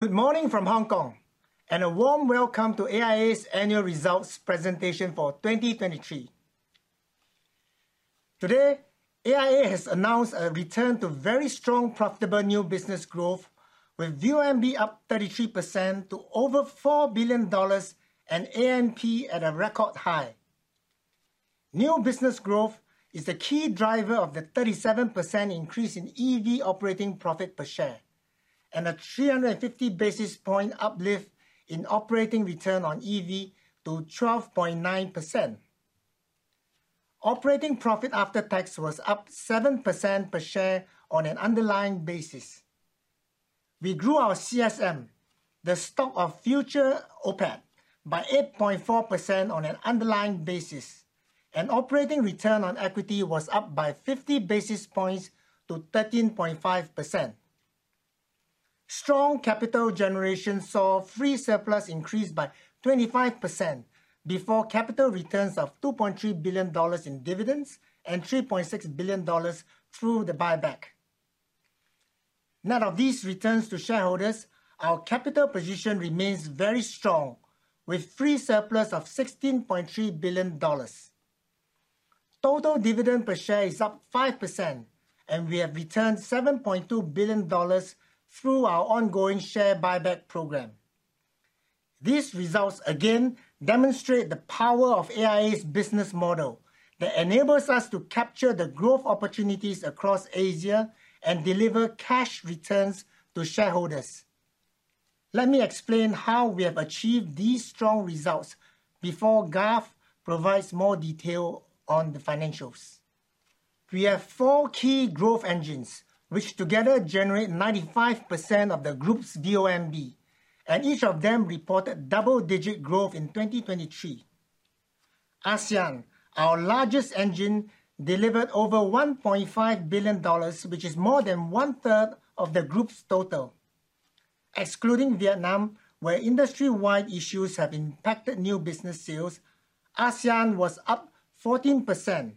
Good morning from Hong Kong, and a warm welcome to AIA's Annual Results Presentation for 2023. Today, AIA has announced a return to very strong, profitable new business growth, with VONB up 33% to over $4 billion and ANP at a record high. New business growth is the key driver of the 37% increase in EV operating profit per share, and a 350 basis point uplift in operating return on EV to 12.9%. Operating profit after tax was up 7% per share on an underlying basis. We grew our CSM, the stock of future OPAT, by 8.4% on an underlying basis, and operating return on equity was up by 50 basis points to 13.5%. Strong capital generation saw free surplus increase by 25% before capital returns of $2.3 billion in dividends and $3.6 billion through the buyback. Net of these returns to shareholders, our capital position remains very strong, with free surplus of $16.3 billion. Total dividend per share is up 5%, and we have returned $7.2 billion through our ongoing share buyback program. These results, again, demonstrate the power of AIA's business model that enables us to capture the growth opportunities across Asia and deliver cash returns to shareholders. Let me explain how we have achieved these strong results before Garth provides more detail on the financials. We have four key growth engines which together generate 95% of the group's VONB, and each of them reported double-digit growth in 2023. ASEAN, our largest engine, delivered over $1.5 billion, which is more than one-third of the group's total. Excluding Vietnam, where industry-wide issues have impacted new business sales, ASEAN was up 14%,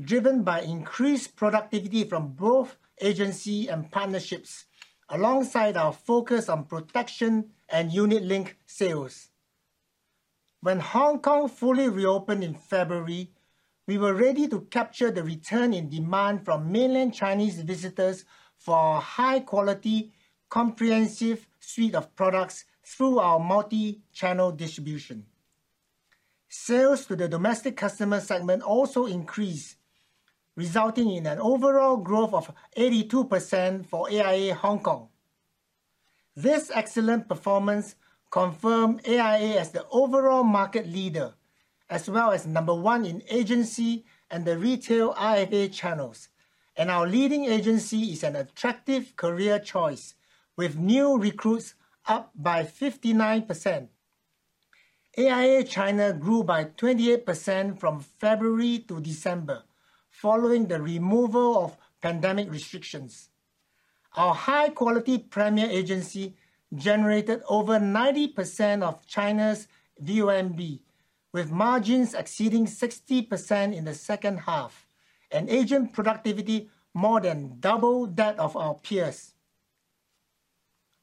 driven by increased productivity from both agencies and partnerships, alongside our focus on protection and unit-linked sales. When Hong Kong fully reopened in February, we were ready to capture the return in demand from mainland Chinese visitors for our high-quality, comprehensive suite of products through our multi-channel distribution. Sales to the domestic customer segment also increased, resulting in an overall growth of 82% for AIA Hong Kong. This excellent performance confirmed AIA as the overall market leader, as well as number one in agency and the retail IFA channels. Our leading agency is an attractive career choice, with new recruits up by 59%. AIA China grew by 28% from February to December, following the removal of pandemic restrictions. Our high-quality premier agency generated over 90% of China's VONB, with margins exceeding 60% in the second half and agent productivity more than double that of our peers.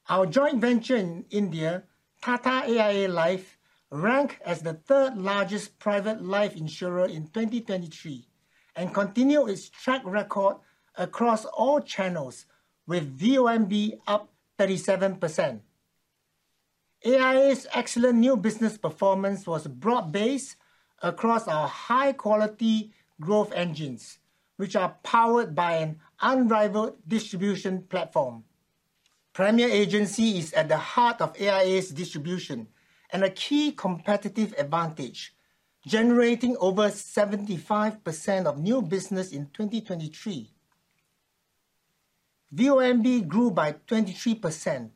Our joint venture in India, Tata AIA Life, ranked as the third-largest private life insurer in 2023 and continued its track record across all channels, with VONB up 37%. AIA's excellent new business performance was broad-based across our high-quality growth engines, which are powered by an unrivaled distribution platform. Premier agency is at the heart of AIA's distribution and a key competitive advantage, generating over 75% of new business in 2023. VONB grew by 23%,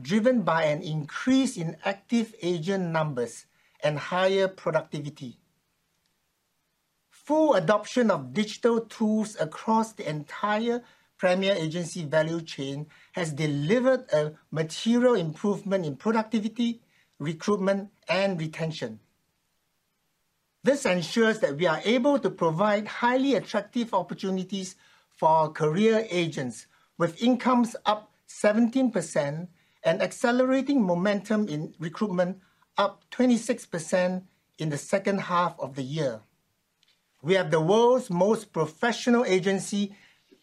driven by an increase in active agent numbers and higher productivity. Full adoption of digital tools across the entire premier agency value chain has delivered a material improvement in productivity, recruitment, and retention. This ensures that we are able to provide highly attractive opportunities for our career agents, with incomes up 17% and accelerating momentum in recruitment up 26% in the second half of the year. We have the world's most professional agency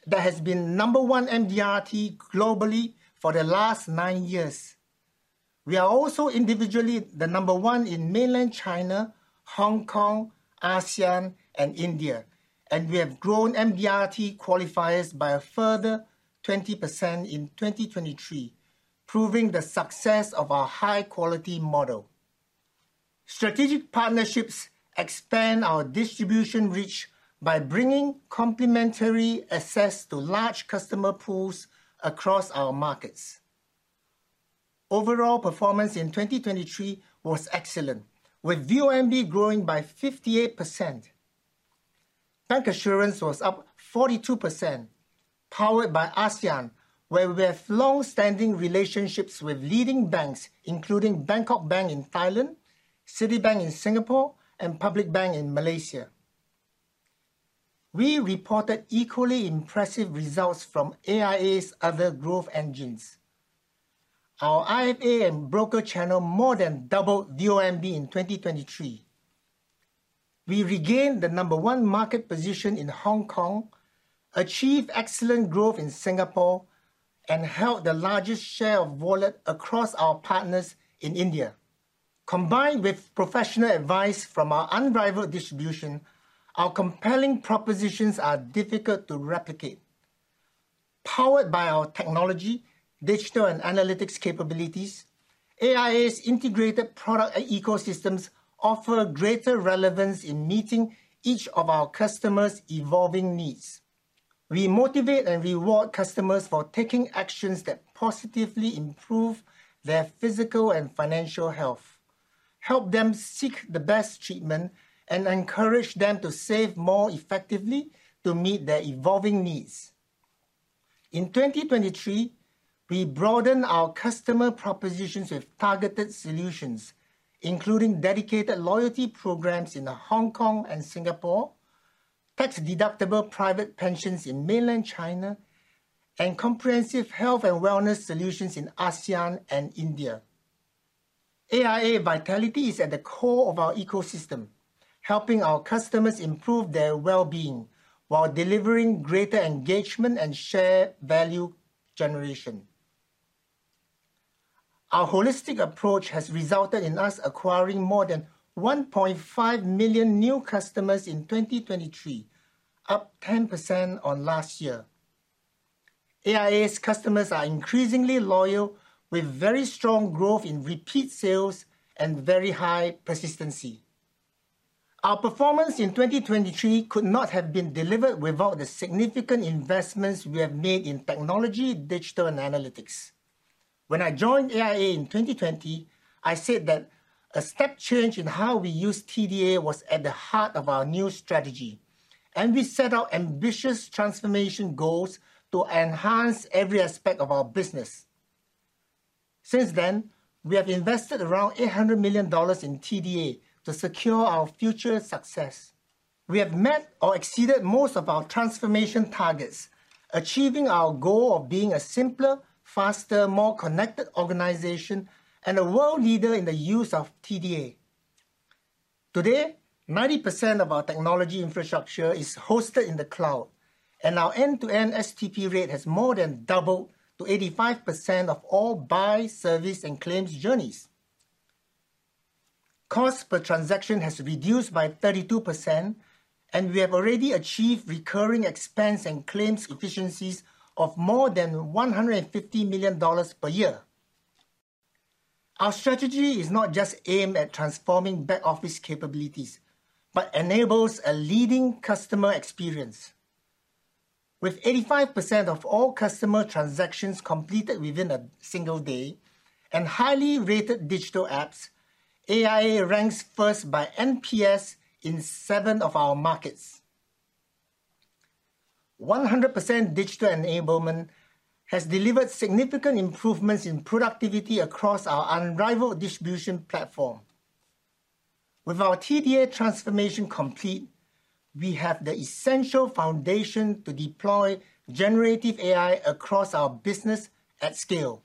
that has been number one MDRT globally for the last 9 years. We are also individually the number one in mainland China, Hong Kong, ASEAN, and India. We have grown MDRT qualifiers by a further 20% in 2023, proving the success of our high-quality model. Strategic partnerships expand our distribution reach by bringing complementary assets to large customer pools across our markets. Overall performance in 2023 was excellent, with VONB growing by 58%. Bancassurance was up 42%, powered by ASEAN, where we have longstanding relationships with leading banks, including Bangkok Bank in Thailand, Citibank in Singapore, and Public Bank in Malaysia. We reported equally impressive results from AIA's other growth engines. Our IFA and broker channel more than doubled VONB in 2023. We regained the number one market position in Hong Kong, achieved excellent growth in Singapore, and held the largest share of wallet across our partners in India. Combined with professional advice from our unrivaled distribution, our compelling propositions are difficult to replicate. Powered by our technology, digital, and analytics capabilities, AIA's integrated product ecosystems offer greater relevance in meeting each of our customers' evolving needs. We motivate and reward customers for taking actions that positively improve their physical and financial health, help them seek the best treatment, and encourage them to save more effectively to meet their evolving needs. In 2023, we broadened our customer propositions with targeted solutions, including dedicated loyalty programs in Hong Kong and Singapore, tax-deductible private pensions in mainland China, and comprehensive health and wellness solutions in ASEAN and India. AIA Vitality is at the core of our ecosystem, helping our customers improve their well-being while delivering greater engagement and share value generation. Our holistic approach has resulted in us acquiring more than 1.5 million new customers in 2023, up 10% on last year. AIA's customers are increasingly loyal, with very strong growth in repeat sales and very high persistency. Our performance in 2023 could not have been delivered without the significant investments we have made in technology, digital, and analytics. When I joined AIA in 2020, I said that a step change in how we use TDA was at the heart of our new strategy, and we set out ambitious transformation goals to enhance every aspect of our business. Since then, we have invested around $800 million in TDA to secure our future success. We have met or exceeded most of our transformation targets, achieving our goal of being a simpler, faster, more connected organization, and a world leader in the use of TDA. Today, 90% of our technology infrastructure is hosted in the cloud, and our end-to-end STP rate has more than doubled to 85% of all buy, service, and claims journeys. Cost per transaction has reduced by 32%, and we have already achieved recurring expense and claims efficiencies of more than $150 million per year. Our strategy is not just aimed at transforming back-office capabilities but enables a leading customer experience. With 85% of all customer transactions completed within a single day and highly rated digital apps, AIA ranks first by NPS in seven of our markets. 100% digital enablement has delivered significant improvements in productivity across our unrivaled distribution platform. With our TDA transformation complete, we have the essential foundation to deploy generative AI across our business at scale.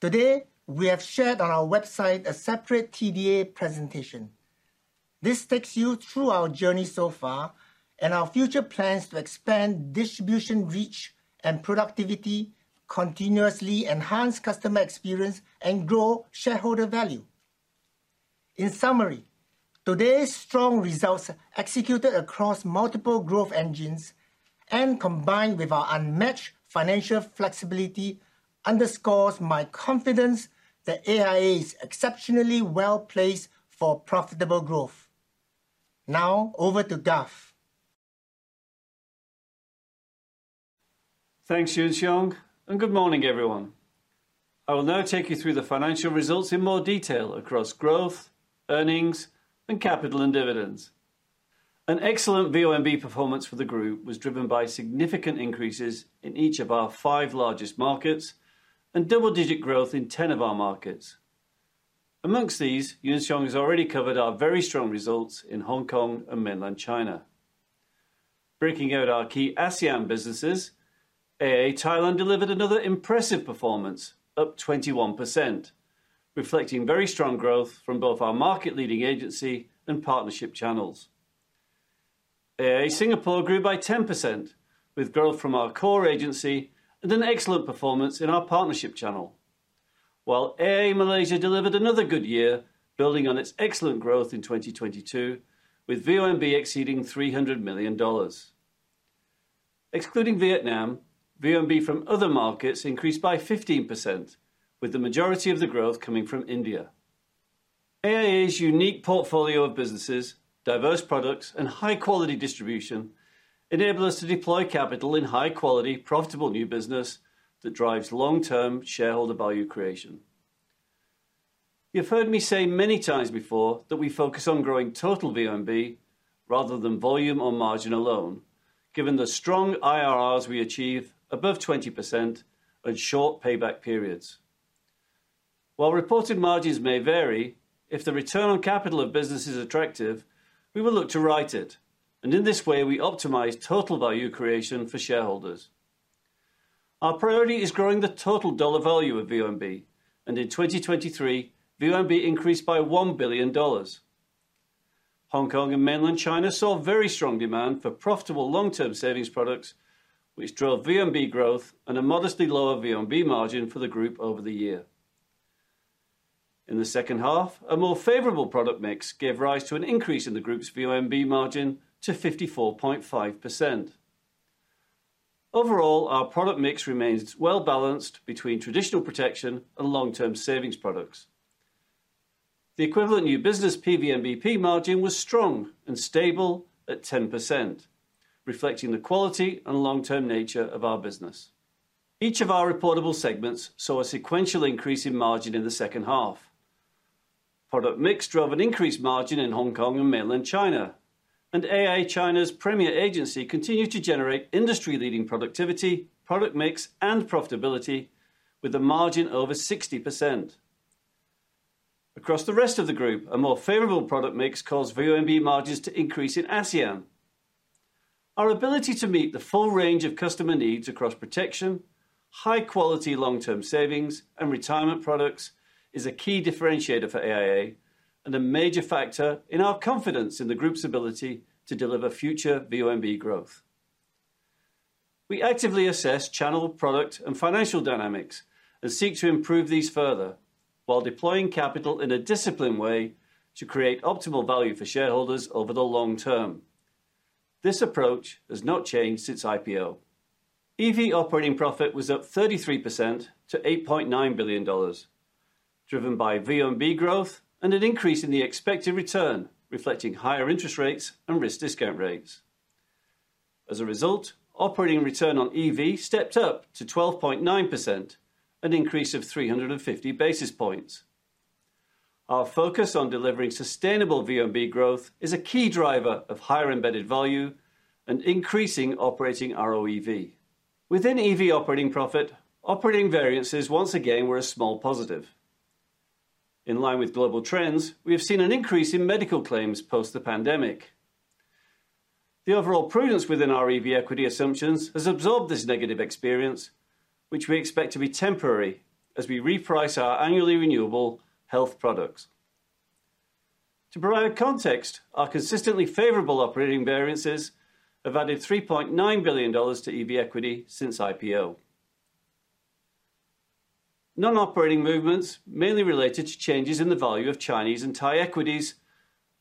Today, we have shared on our website a separate TDA presentation. This takes you through our journey so far and our future plans to expand distribution reach and productivity, continuously enhance customer experience, and grow shareholder value. In summary, today's strong results executed across multiple growth engines and combined with our unmatched financial flexibility underscores my confidence that AIA is exceptionally well-placed for profitable growth. Now, over to Garth. Thanks, Yuan Siong, and good morning, everyone. I will now take you through the financial results in more detail across growth, earnings, and capital and dividends. An excellent VONB performance for the group was driven by significant increases in each of our five largest markets and double-digit growth in 10 of our markets. Among these, Yuan Siong has already covered our very strong results in Hong Kong and mainland China. Breaking out our key ASEAN businesses, AIA Thailand delivered another impressive performance, up 21%, reflecting very strong growth from both our market-leading agency and partnership channels. AIA Singapore grew by 10%, with growth from our core agency and an excellent performance in our partnership channel. While AIA Malaysia delivered another good year, building on its excellent growth in 2022, with VONB exceeding $300 million. Excluding Vietnam, VONB from other markets increased by 15%, with the majority of the growth coming from India. AIA's unique portfolio of businesses, diverse products, and high-quality distribution enable us to deploy capital in high-quality, profitable new business that drives long-term shareholder value creation. You have heard me say many times before that we focus on growing total VONB rather than volume or margin alone, given the strong IRRs we achieve above 20% and short payback periods. While reported margins may vary, if the return on capital of business is attractive, we will look to right it. In this way, we optimize total value creation for shareholders. Our priority is growing the total dollar value of VONB. In 2023, VONB increased by $1 billion. Hong Kong and mainland China saw very strong demand for profitable long-term savings products, which drove VONB growth and a modestly lower VONB margin for the group over the year. In the second half, a more favorable product mix gave rise to an increase in the group's VONB margin to 54.5%. Overall, our product mix remains well-balanced between traditional protection and long-term savings products. The equivalent new business PVNBP margin was strong and stable at 10%, reflecting the quality and long-term nature of our business. Each of our reportable segments saw a sequential increase in margin in the second half. Product mix drove an increased margin in Hong Kong and mainland China. AIA China's premier agency continued to generate industry-leading productivity, product mix, and profitability, with a margin over 60%. Across the rest of the group, a more favorable product mix caused VONB margins to increase in ASEAN. Our ability to meet the full range of customer needs across protection, high-quality long-term savings, and retirement products is a key differentiator for AIA and a major factor in our confidence in the group's ability to deliver future VONB growth. We actively assess channel, product, and financial dynamics and seek to improve these further while deploying capital in a disciplined way to create optimal value for shareholders over the long term. This approach has not changed since IPO. EV operating profit was up 33% to $8.9 billion, driven by VONB growth and an increase in the expected return, reflecting higher interest rates and risk discount rates. As a result, operating return on EV stepped up to 12.9%, an increase of 350 basis points. Our focus on delivering sustainable VONB growth is a key driver of higher embedded value and increasing operating ROEV. Within EV operating profit, operating variances, once again, were a small positive. In line with global trends, we have seen an increase in medical claims post the pandemic. The overall prudence within our EV equity assumptions has absorbed this negative experience, which we expect to be temporary as we reprice our annually renewable health products. To provide context, our consistently favorable operating variances have added $3.9 billion to EV equity since IPO. Non-operating movements, mainly related to changes in the value of Chinese and Thai equities,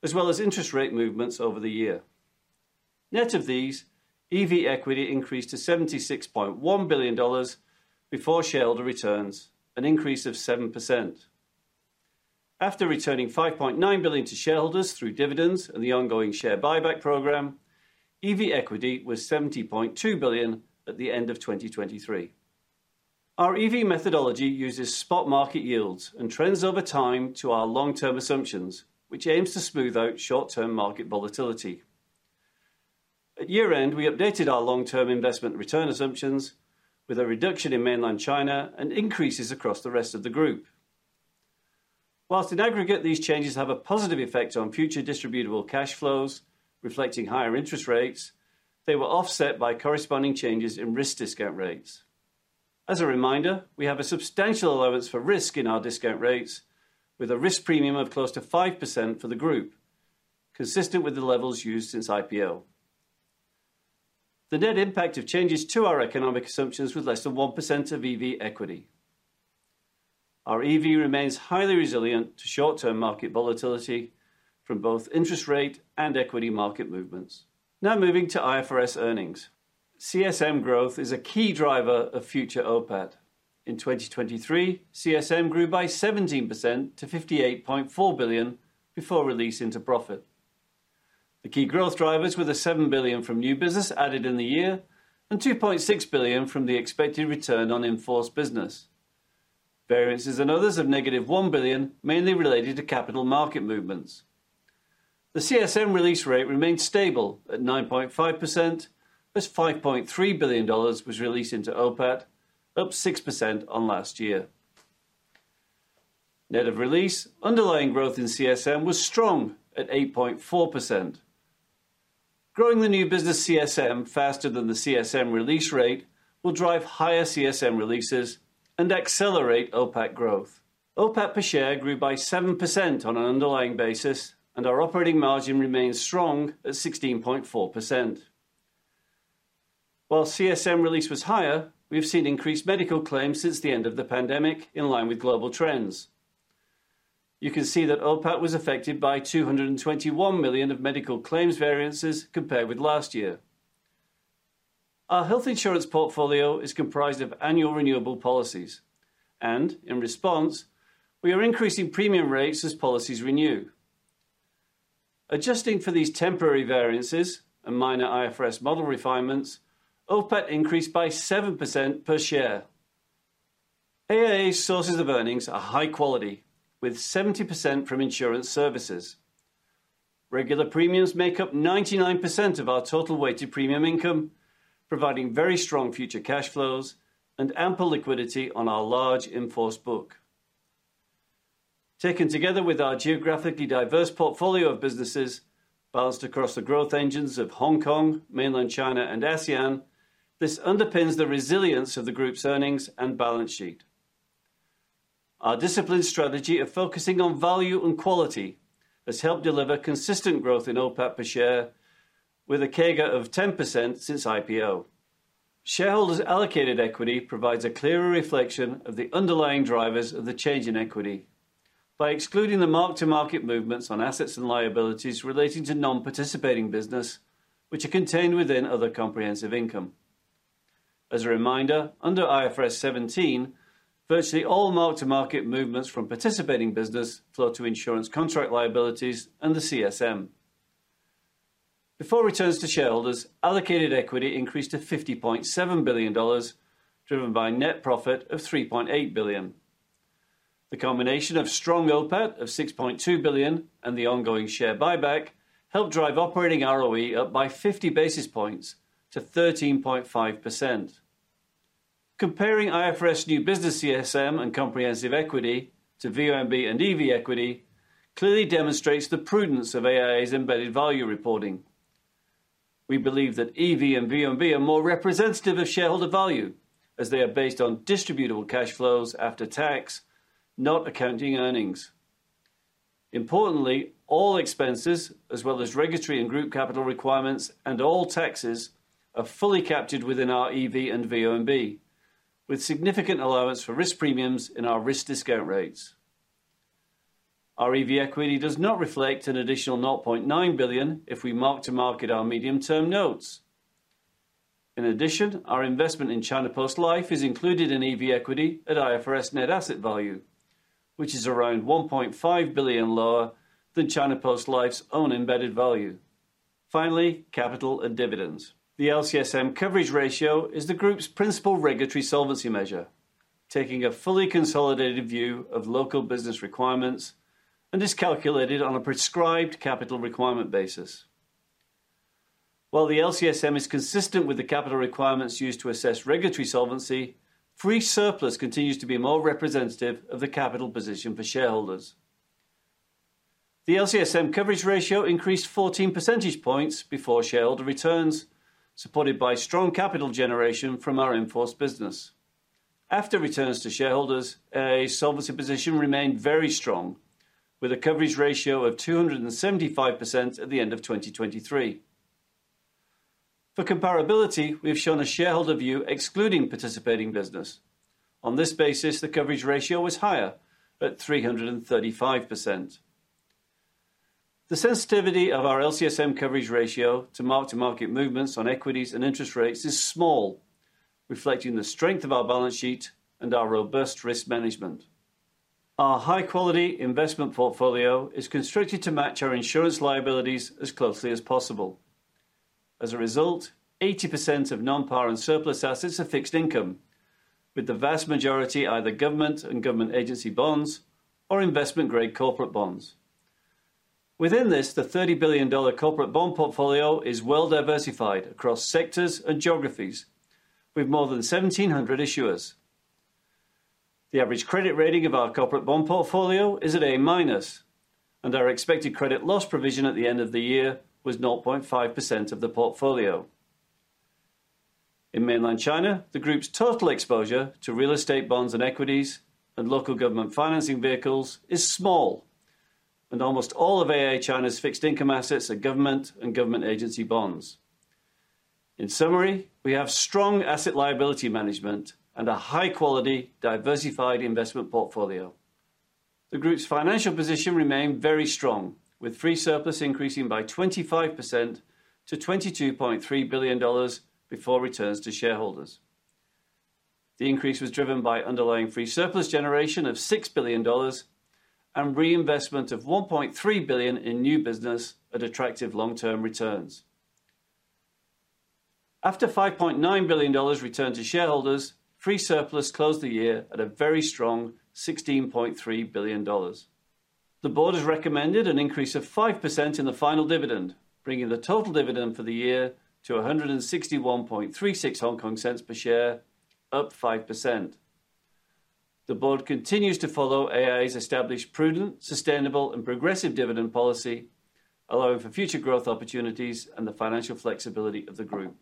as well as interest rate movements over the year. Net of these, EV equity increased to $76.1 billion before shareholder returns, an increase of 7%. After returning $5.9 billion to shareholders through dividends and the ongoing share buyback program, EV equity was $70.2 billion at the end of 2023. Our EV methodology uses spot market yields and trends over time to our long-term assumptions, which aims to smooth out short-term market volatility. At year-end, we updated our long-term investment return assumptions with a reduction in mainland China and increases across the rest of the group. While in aggregate, these changes have a positive effect on future distributable cash flows, reflecting higher interest rates. They were offset by corresponding changes in risk discount rates. As a reminder, we have a substantial allowance for risk in our discount rates, with a risk premium of close to 5% for the group, consistent with the levels used since IPO. The net impact of changes to our economic assumptions was less than 1% of EV equity. Our EV remains highly resilient to short-term market volatility from both interest rate and equity market movements. Now, moving to IFRS earnings. CSM growth is a key driver of future OPAT. In 2023, CSM grew by 17% to $58.4 billion before release into profit. The key growth drivers were the $7 billion from new business added in the year and $2.6 billion from the expected return on in-force business. Variances and others of -$1 billion mainly related to capital market movements. The CSM release rate remained stable at 9.5%, as $5.3 billion was released into OPAT, up 6% on last year. Net of release, underlying growth in CSM was strong at 8.4%. Growing the new business CSM faster than the CSM release rate will drive higher CSM releases and accelerate OPAT growth. OPAT per share grew by 7% on an underlying basis, and our operating margin remains strong at 16.4%. While CSM release was higher, we have seen increased medical claims since the end of the pandemic, in line with global trends. You can see that OPAT was affected by $221 million of medical claims variances compared with last year. Our health insurance portfolio is comprised of annual renewable policies. In response, we are increasing premium rates as policies renew. Adjusting for these temporary variances and minor IFRS model refinements, OPAT increased by 7% per share. AIA's sources of earnings are high-quality, with 70% from insurance services. Regular premiums make up 99% of our total weighted premium income, providing very strong future cash flows and ample liquidity on our large in-force book. Taken together with our geographically diverse portfolio of businesses balanced across the growth engines of Hong Kong, mainland China, and ASEAN, this underpins the resilience of the group's earnings and balance sheet. Our disciplined strategy of focusing on value and quality has helped deliver consistent growth in OPAT per share, with a CAGR of 10% since IPO. Shareholders' allocated equity provides a clearer reflection of the underlying drivers of the change in equity, by excluding the mark-to-market movements on assets and liabilities relating to non-participating business, which are contained within other comprehensive income. As a reminder, under IFRS 17, virtually all mark-to-market movements from participating business flow to insurance contract liabilities and the CSM. Before returns to shareholders, allocated equity increased to $50.7 billion, driven by net profit of $3.8 billion. The combination of strong OPAT of $6.2 billion and the ongoing share buyback helped drive operating ROE up by 50 basis points to 13.5%. Comparing IFRS new business CSM and comprehensive equity to VONB and EV equity clearly demonstrates the prudence of AIA's embedded value reporting. We believe that EV and VONB are more representative of shareholder value, as they are based on distributable cash flows after tax, not accounting earnings. Importantly, all expenses, as well as regulatory and group capital requirements, and all taxes, are fully captured within our EV and VONB, with significant allowance for risk premiums in our risk discount rates. Our EV equity does not reflect an additional $0.9 billion if we mark-to-market our medium-term notes. In addition, our investment in China Post Life is included in EV equity at IFRS net asset value, which is around $1.5 billion lower than China Post Life's own embedded value. Finally, capital and dividends. The LCSM coverage ratio is the group's principal regulatory solvency measure, taking a fully consolidated view of local business requirements and is calculated on a prescribed capital requirement basis. While the LCSM is consistent with the capital requirements used to assess regulatory solvency, free surplus continues to be more representative of the capital position for shareholders. The LCSM coverage ratio increased 14 percentage points before shareholder returns, supported by strong capital generation from our in-force business. After returns to shareholders, AIA's solvency position remained very strong, with a coverage ratio of 275% at the end of 2023. For comparability, we have shown a shareholder view excluding participating business. On this basis, the coverage ratio was higher, at 335%. The sensitivity of our LCSM coverage ratio to mark-to-market movements on equities and interest rates is small, reflecting the strength of our balance sheet and our robust risk management. Our high-quality investment portfolio is constructed to match our insurance liabilities as closely as possible. As a result, 80% of non-parent surplus assets are fixed income, with the vast majority either government and government agency bonds or investment-grade corporate bonds. Within this, the $30 billion corporate bond portfolio is well-diversified across sectors and geographies, with more than 1,700 issuers. The average credit rating of our corporate bond portfolio is at A-minus, and our expected credit loss provision at the end of the year was 0.5% of the portfolio. In mainland China, the group's total exposure to real estate bonds and equities and local government financing vehicles is small, and almost all of AIA China's fixed income assets are government and government agency bonds. In summary, we have strong asset liability management and a high-quality, diversified investment portfolio. The group's financial position remained very strong, with free surplus increasing by 25% to $22.3 billion before returns to shareholders. The increase was driven by underlying free surplus generation of $6 billion and reinvestment of $1.3 billion in new business at attractive long-term returns. After $5.9 billion returned to shareholders, free surplus closed the year at a very strong $16.3 billion. The board has recommended an increase of 5% in the final dividend, bringing the total dividend for the year to 161.36 per share, up 5%. The board continues to follow AIA's established prudent, sustainable, and progressive dividend policy, allowing for future growth opportunities and the financial flexibility of the group.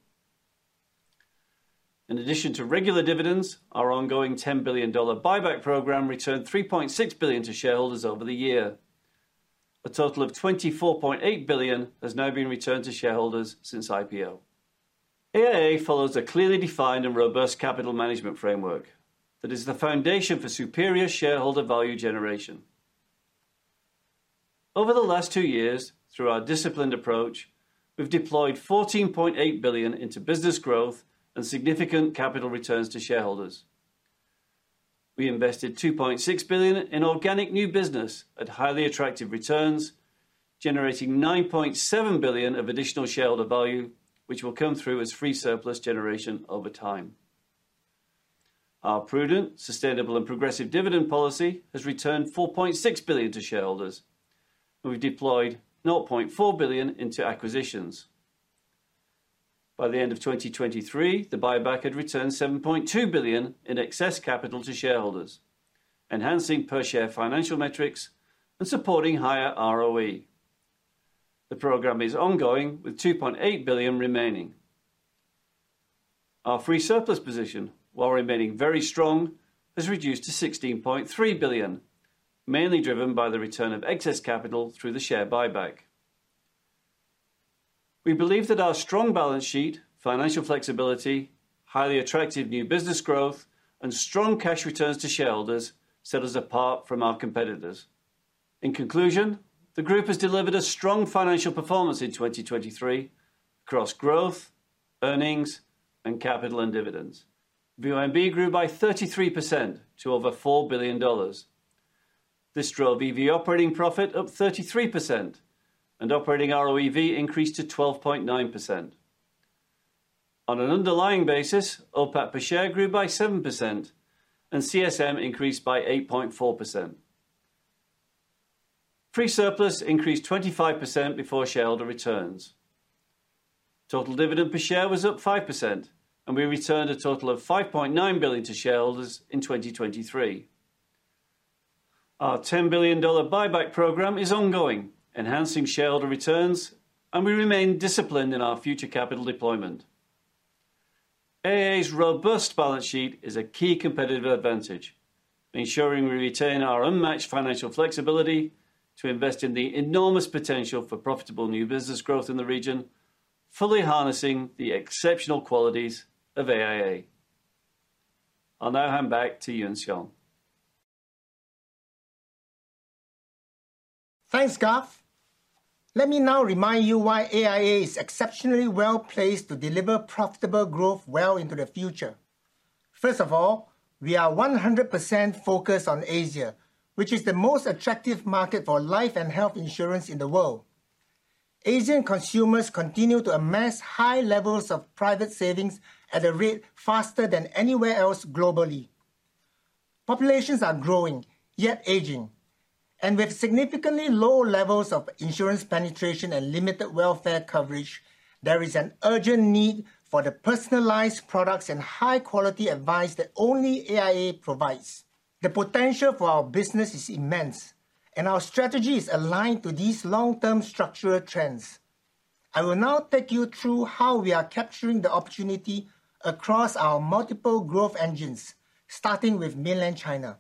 In addition to regular dividends, our ongoing $10 billion buyback program returned $3.6 billion to shareholders over the year. A total of $24.8 billion has now been returned to shareholders since IPO. AIA follows a clearly defined and robust capital management framework that is the foundation for superior shareholder value generation. Over the last two years, through our disciplined approach, we have deployed $14.8 billion into business growth and significant capital returns to shareholders. We invested $2.6 billion in organic new business at highly attractive returns, generating $9.7 billion of additional shareholder value, which will come through as free surplus generation over time. Our prudent, sustainable, and progressive dividend policy has returned $4.6 billion to shareholders, and we have deployed $0.4 billion into acquisitions. By the end of 2023, the buyback had returned $7.2 billion in excess capital to shareholders, enhancing per-share financial metrics and supporting higher ROE. The program is ongoing, with $2.8 billion remaining. Our free surplus position, while remaining very strong, has reduced to $16.3 billion, mainly driven by the return of excess capital through the share buyback. We believe that our strong balance sheet, financial flexibility, highly attractive new business growth, and strong cash returns to shareholders set us apart from our competitors. In conclusion, the group has delivered a strong financial performance in 2023 across growth, earnings, and capital and dividends. VONB grew by 33% to over $4 billion. This drove EV operating profit up 33%, and operating ROEV increased to 12.9%. On an underlying basis, OPAT per share grew by 7%, and CSM increased by 8.4%. Free surplus increased 25% before shareholder returns. Total dividend per share was up 5%, and we returned a total of $5.9 billion to shareholders in 2023. Our $10 billion buyback program is ongoing, enhancing shareholder returns, and we remain disciplined in our future capital deployment. AIA's robust balance sheet is a key competitive advantage, ensuring we retain our unmatched financial flexibility to invest in the enormous potential for profitable new business growth in the region, fully harnessing the exceptional qualities of AIA. I will now hand back to Yuan Siong. Thanks, Garth. Let me now remind you why AIA is exceptionally well-placed to deliver profitable growth well into the future. First of all, we are 100% focused on Asia, which is the most attractive market for life and health insurance in the world. Asian consumers continue to amass high levels of private savings at a rate faster than anywhere else globally. Populations are growing, yet aging. And with significantly low levels of insurance penetration and limited welfare coverage, there is an urgent need for the personalized products and high-quality advice that only AIA provides. The potential for our business is immense, and our strategy is aligned to these long-term structural trends. I will now take you through how we are capturing the opportunity across our multiple growth engines, starting with mainland China.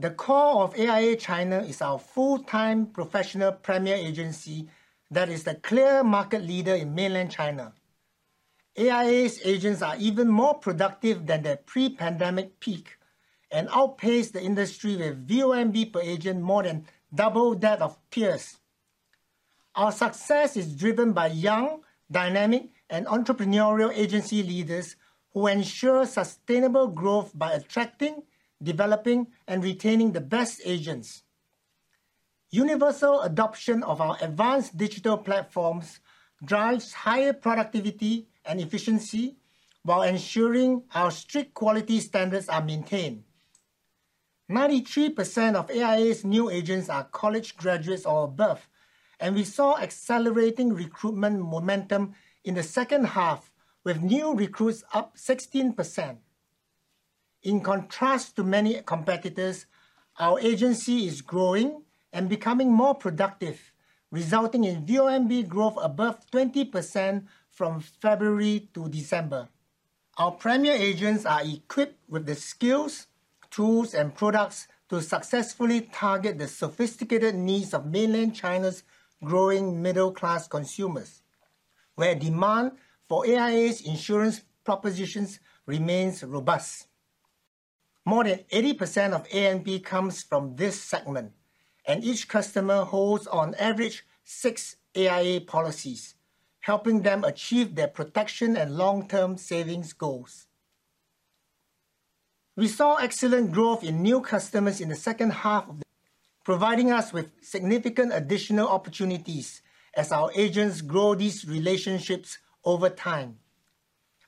The core of AIA China is our full-time, professional premier agency that is the clear market leader in mainland China. AIA's agents are even more productive than their pre-pandemic peak and outpace the industry with VONB per agent more than double that of peers. Our success is driven by young, dynamic, and entrepreneurial agency leaders who ensure sustainable growth by attracting, developing, and retaining the best agents. Universal adoption of our advanced digital platforms drives higher productivity and efficiency, while ensuring our strict quality standards are maintained. 93% of AIA's new agents are college graduates or above, and we saw accelerating recruitment momentum in the second half, with new recruits up 16%. In contrast to many competitors, our agency is growing and becoming more productive, resulting in VONB growth above 20% from February to December. Our premier agents are equipped with the skills, tools, and products to successfully target the sophisticated needs of mainland China's growing middle-class consumers, where demand for AIA's insurance propositions remains robust. More than 80% of ANP comes from this segment, and each customer holds, on average, six AIA policies, helping them achieve their protection and long-term savings goals. We saw excellent growth in new customers in the second half of the year, providing us with significant additional opportunities as our agents grow these relationships over time.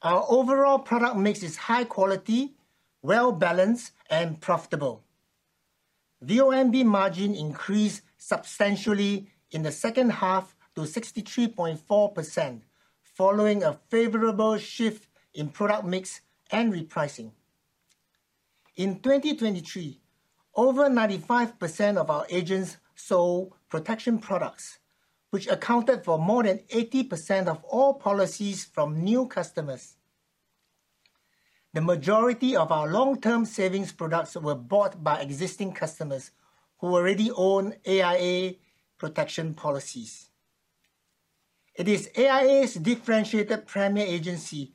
Our overall product mix is high-quality, well-balanced, and profitable. VONB margin increased substantially in the second half to 63.4%, following a favorable shift in product mix and repricing. In 2023, over 95% of our agents sold protection products, which accounted for more than 80% of all policies from new customers. The majority of our long-term savings products were bought by existing customers who already own AIA protection policies. It is AIA's differentiated premier agency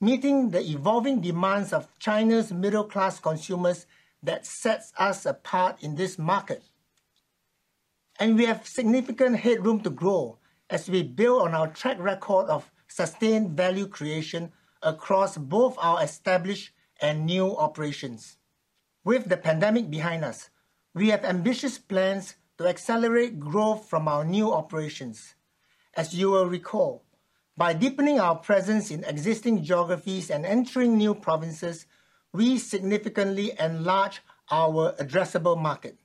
meeting the evolving demands of China's middle-class consumers that sets us apart in this market. We have significant headroom to grow as we build on our track record of sustained value creation across both our established and new operations. With the pandemic behind us, we have ambitious plans to accelerate growth from our new operations. As you will recall, by deepening our presence in existing geographies and entering new provinces, we significantly enlarge our addressable market.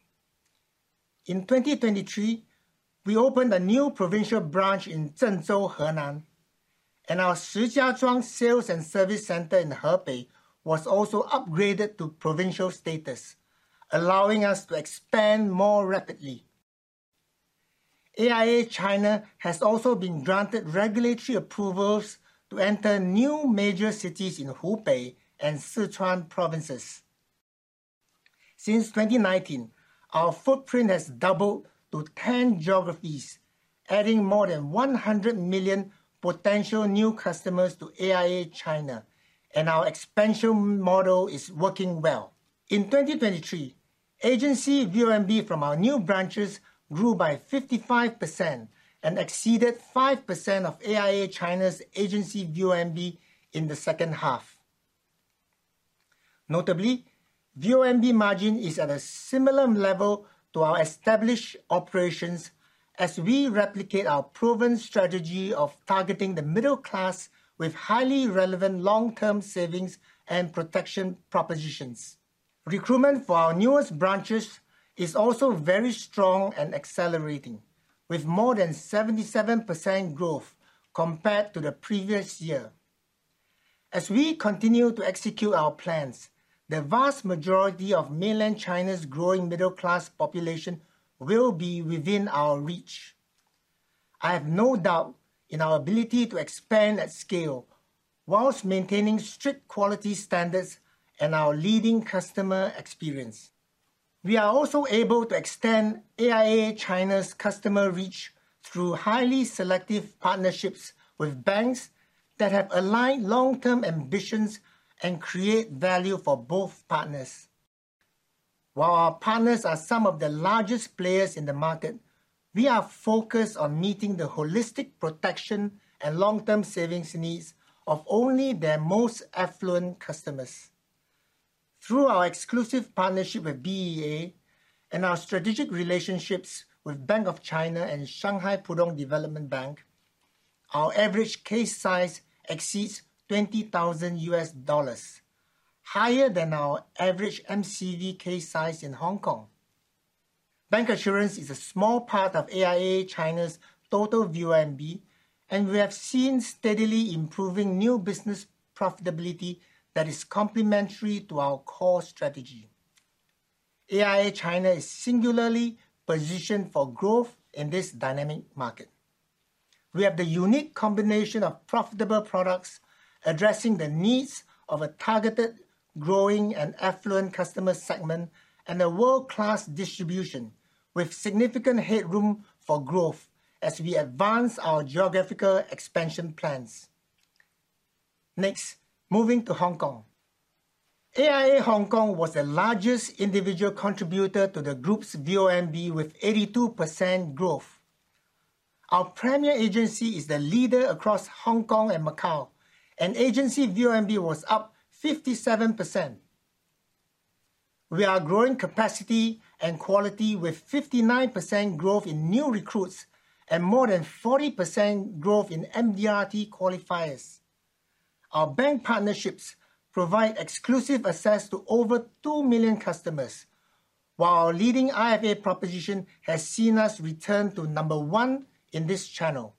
In 2023, we opened a new provincial branch in Zhengzhou, Henan, and our Shijiazhuang Sales and Service Center in Hebei was also upgraded to provincial status, allowing us to expand more rapidly. AIA China has also been granted regulatory approvals to enter new major cities in Hubei and Sichuan provinces. Since 2019, our footprint has doubled to 10 geographies, adding more than 100 million potential new customers to AIA China, and our expansion model is working well. In 2023, agency VONB from our new branches grew by 55% and exceeded 5% of AIA China's agency VONB in the second half. Notably, VONB margin is at a similar level to our established operations as we replicate our proven strategy of targeting the middle class with highly relevant long-term savings and protection propositions. Recruitment for our newest branches is also very strong and accelerating, with more than 77% growth compared to the previous year. As we continue to execute our plans, the vast majority of mainland China's growing middle-class population will be within our reach. I have no doubt in our ability to expand at scale while maintaining strict quality standards and our leading customer experience. We are also able to extend AIA China's customer reach through highly selective partnerships with banks that have aligned long-term ambitions and create value for both partners. While our partners are some of the largest players in the market, we are focused on meeting the holistic protection and long-term savings needs of only their most affluent customers. Through our exclusive partnership with BEA and our strategic relationships with Bank of China and Shanghai Pudong Development Bank, our average case size exceeds $20,000, higher than our average MCV case size in Hong Kong. Bancassurance is a small part of AIA China's total VONB, and we have seen steadily improving new business profitability that is complementary to our core strategy. AIA China is singularly positioned for growth in this dynamic market. We have the unique combination of profitable products addressing the needs of a targeted, growing, and affluent customer segment and a world-class distribution, with significant headroom for growth as we advance our geographical expansion plans. Next, moving to Hong Kong. AIA Hong Kong was the largest individual contributor to the group's VONB, with 82% growth. Our premier agency is the leader across Hong Kong and Macau, and agency VONB was up 57%. We are growing capacity and quality with 59% growth in new recruits and more than 40% growth in MDRT qualifiers. Our bank partnerships provide exclusive access to over 2 million customers, while our leading IFA proposition has seen us return to number one in this channel.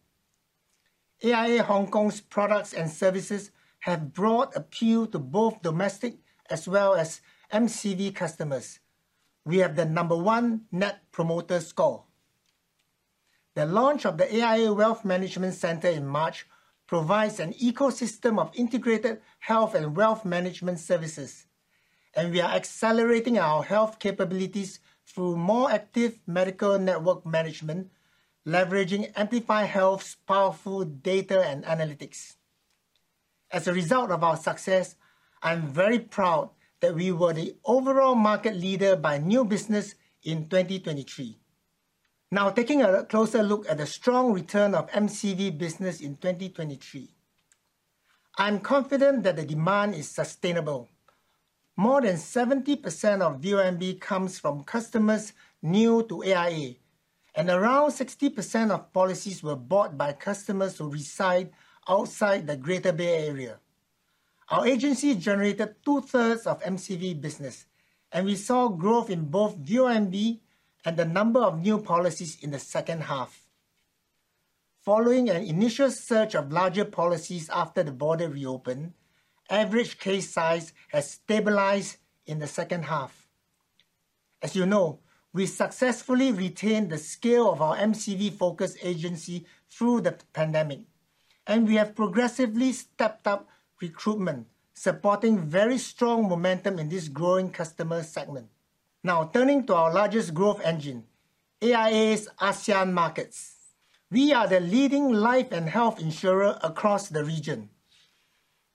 AIA Hong Kong's products and services have broad appeal to both domestic as well as MCV customers. We have the number one net promoter score. The launch of the AIA Wealth Management Center in March provides an ecosystem of integrated health and wealth management services, and we are accelerating our health capabilities through more active medical network management, leveraging Amplify Health's powerful data and analytics. As a result of our success, I'm very proud that we were the overall market leader by new business in 2023. Now, taking a closer look at the strong return of MCV business in 2023, I'm confident that the demand is sustainable. More than 70% of VONB comes from customers new to AIA, and around 60% of policies were bought by customers who reside outside the Greater Bay Area. Our agency generated 2/3 of MCV business, and we saw growth in both VONB and the number of new policies in the second half. Following an initial surge of larger policies after the border reopened, average case size has stabilized in the second half. As you know, we successfully retained the scale of our MCV-focused agency through the pandemic, and we have progressively stepped up recruitment, supporting very strong momentum in this growing customer segment. Now, turning to our largest growth engine, AIA's ASEAN Markets. We are the leading life and health insurer across the region.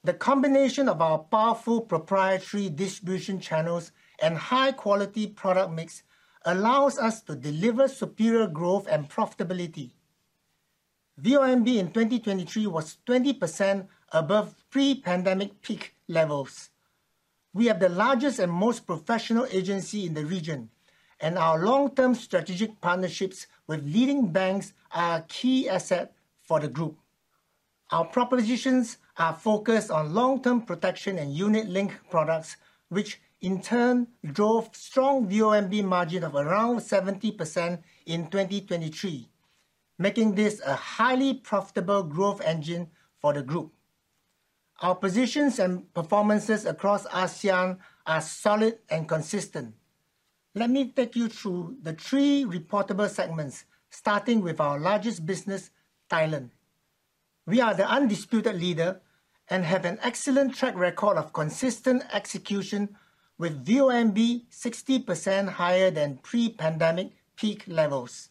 The combination of our powerful proprietary distribution channels and high-quality product mix allows us to deliver superior growth and profitability. VONB in 2023 was 20% above pre-pandemic peak levels. We have the largest and most professional agency in the region, and our long-term strategic partnerships with leading banks are a key asset for the group. Our propositions are focused on long-term protection and unit-linked products, which in turn drove a strong VONB margin of around 70% in 2023, making this a highly profitable growth engine for the group. Our positions and performances across ASEAN are solid and consistent. Let me take you through the three reportable segments, starting with our largest business, Thailand. We are the undisputed leader and have an excellent track record of consistent execution, with VONB 60% higher than pre-pandemic peak levels.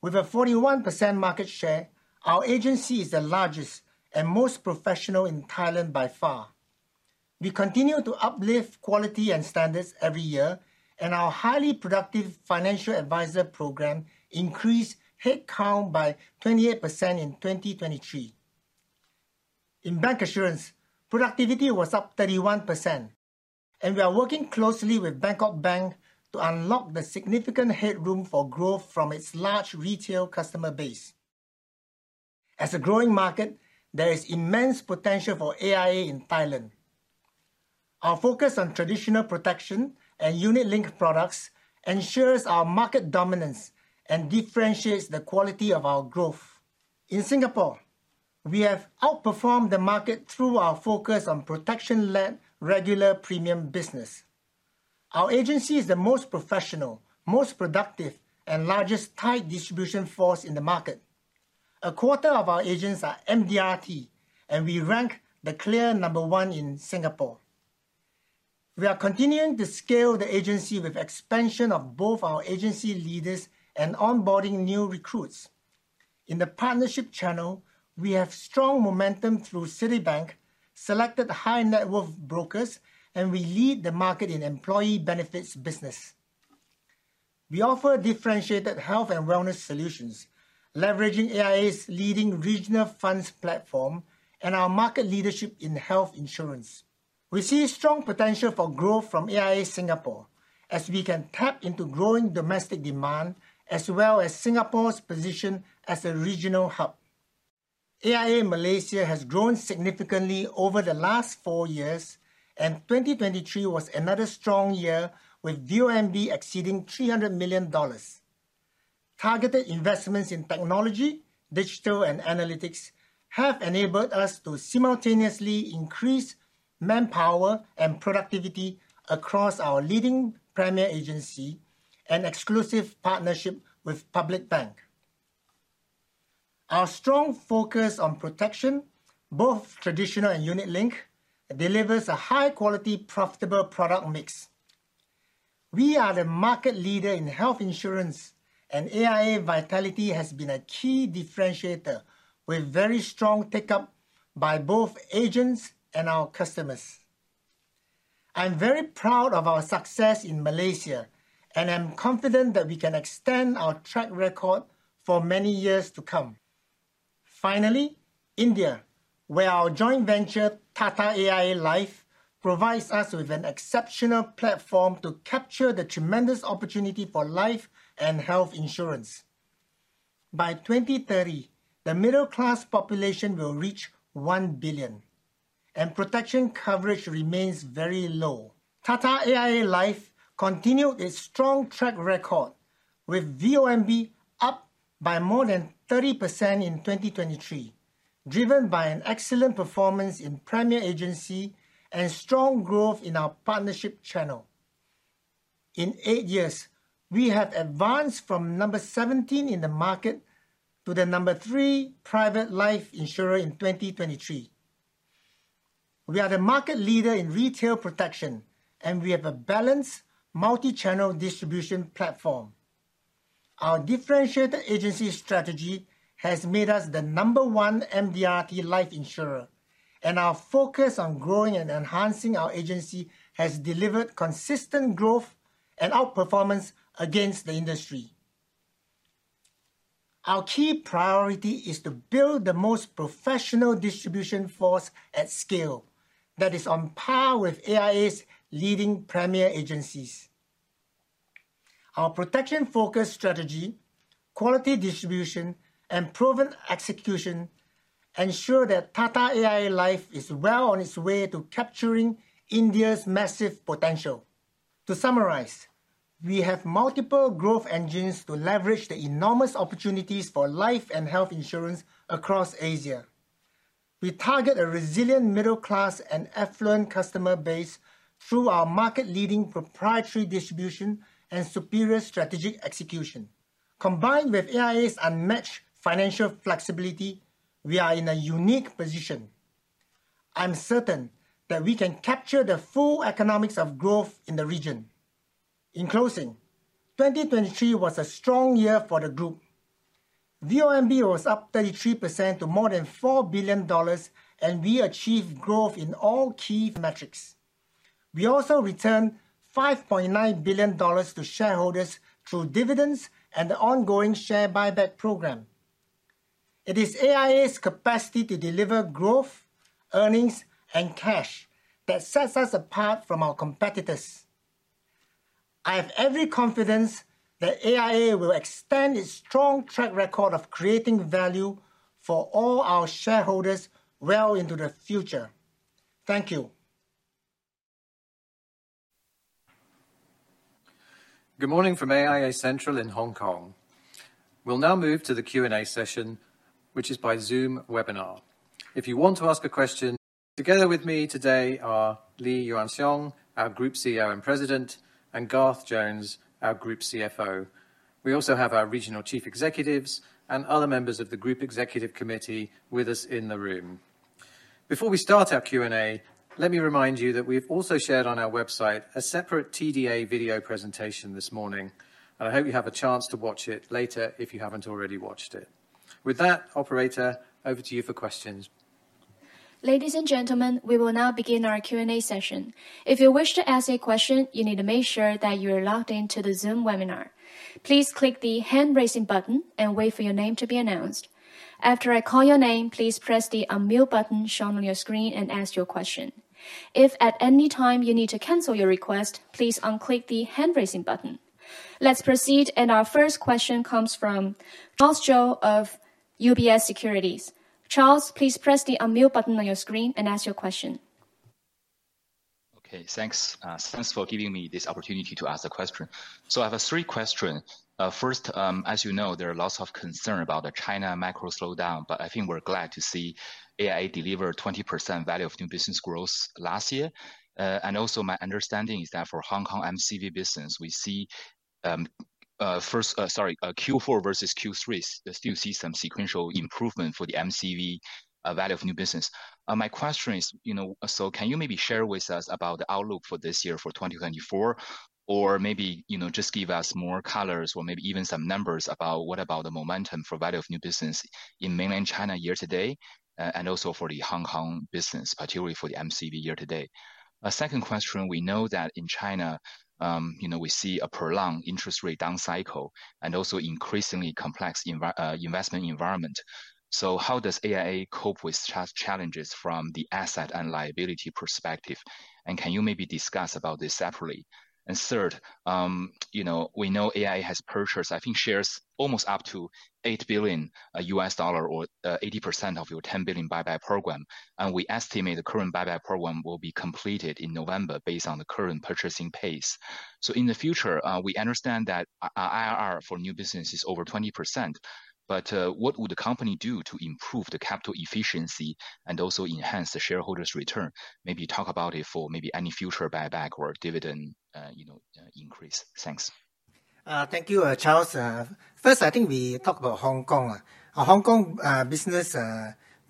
With a 41% market share, our agency is the largest and most professional in Thailand by far. We continue to uplift quality and standards every year, and our highly productive financial advisor program increased headcount by 28% in 2023. In bank assurance, productivity was up 31%, and we are working closely with Bangkok Bank to unlock the significant headroom for growth from its large retail customer base. As a growing market, there is immense potential for AIA in Thailand. Our focus on traditional protection and unit-linked products ensures our market dominance and differentiates the quality of our growth. In Singapore, we have outperformed the market through our focus on protection-led regular premium business. Our agency is the most professional, most productive, and largest tight distribution force in the market. A quarter of our agents are MDRT, and we rank the clear number one in Singapore. We are continuing to scale the agency with the expansion of both our agency leaders and onboarding new recruits. In the partnership channel, we have strong momentum through Citibank, selected high-net-worth brokers, and we lead the market in employee benefits business. We offer differentiated health and wellness solutions, leveraging AIA's leading regional funds platform and our market leadership in health insurance. We see strong potential for growth from AIA Singapore as we can tap into growing domestic demand as well as Singapore's position as a regional hub. AIA Malaysia has grown significantly over the last four years, and 2023 was another strong year with VONB exceeding $300 million. Targeted investments in technology, digital, and analytics have enabled us to simultaneously increase manpower and productivity across our leading premier agency and exclusive partnership with Public Bank. Our strong focus on protection, both traditional and unit-linked, delivers a high-quality, profitable product mix. We are the market leader in health insurance, and AIA Vitality has been a key differentiator with very strong take-up by both agents and our customers. I'm very proud of our success in Malaysia and am confident that we can extend our track record for many years to come. Finally, India, where our joint venture Tata AIA Life provides us with an exceptional platform to capture the tremendous opportunity for life and health insurance. By 2030, the middle-class population will reach 1 billion, and protection coverage remains very low. Tata AIA Life continued its strong track record with VONB up by more than 30% in 2023, driven by an excellent performance in premier agency and strong growth in our partnership channel. In eight years, we have advanced from number 17 in the market to the number three private life insurer in 2023. We are the market leader in retail protection, and we have a balanced multi-channel distribution platform. Our differentiated agency strategy has made us the number 1 MDRT life insurer, and our focus on growing and enhancing our agency has delivered consistent growth and outperformance against the industry. Our key priority is to build the most professional distribution force at scale that is on par with AIA's leading premier agencies. Our protection-focused strategy, quality distribution, and proven execution ensure that Tata AIA Life is well on its way to capturing India's massive potential. To summarize, we have multiple growth engines to leverage the enormous opportunities for life and health insurance across Asia. We target a resilient middle-class and affluent customer base through our market-leading proprietary distribution and superior strategic execution. Combined with AIA's unmatched financial flexibility, we are in a unique position. I'm certain that we can capture the full economics of growth in the region. In closing, 2023 was a strong year for the group. VONB was up 33% to more than $4 billion, and we achieved growth in all key metrics. We also returned $5.9 billion to shareholders through dividends and the ongoing share buyback program. It is AIA's capacity to deliver growth, earnings, and cash that sets us apart from our competitors. I have every confidence that AIA will extend its strong track record of creating value for all our shareholders well into the future. Thank you. Good morning from AIA Central in Hong Kong. We'll now move to the Q&A session, which is by Zoom webinar. If you want to ask a question. Together with me today are Lee Yuan Siong, our Group CEO and President, and Garth Jones, our Group CFO. We also have our Regional Chief Executives and other members of the Group Executive Committee with us in the room. Before we start our Q&A, let me remind you that we've also shared on our website a separate TDA video presentation this morning, and I hope you have a chance to watch it later if you haven't already watched it. With that, operator, over to you for questions. Ladies and gentlemen, we will now begin our Q&A session. If you wish to ask a question, you need to make sure that you are logged into the Zoom webinar. Please click the hand-raising button and wait for your name to be announced. After I call your name, please press the unmute button shown on your screen and ask your question. If at any time you need to cancel your request, please unclick the hand-raising button. Let's proceed, and our first question comes from Charles Zhou of UBS Securities. Charles, please press the unmute button on your screen and ask your question. Okay, thanks for giving me this opportunity to ask a question. So I have three questions. First, as you know, there are lots of concerns about the China micro-slowdown, but I think we're glad to see AIA deliver 20% value of new business growth last year. And also, my understanding is that for Hong Kong MCV business, we see first, sorry, Q4 versus Q3, still see some sequential improvement for the MCV value of new business. My question is, so can you maybe share with us about the outlook for this year, for 2024, or maybe just give us more colors or maybe even some numbers about what about the momentum for value of new business in mainland China year to date, and also for the Hong Kong business, particularly for the MCV year to date? Second question, we know that in China, we see a prolonged interest rate down cycle and also an increasingly complex investment environment. So how does AIA cope with challenges from the asset and liability perspective, and can you maybe discuss about this separately? And third, we know AIA has purchased, I think, shares almost up to $8 billion or 80% of your $10 billion buyback program. And we estimate the current buyback program will be completed in November based on the current purchasing pace. So in the future, we understand that IRR for new business is over 20%. But what would the company do to improve the capital efficiency and also enhance the shareholders' return? Maybe talk about it for maybe any future buyback or dividend increase. Thanks. Thank you, Charles. First, I think we talk about Hong Kong. Hong Kong business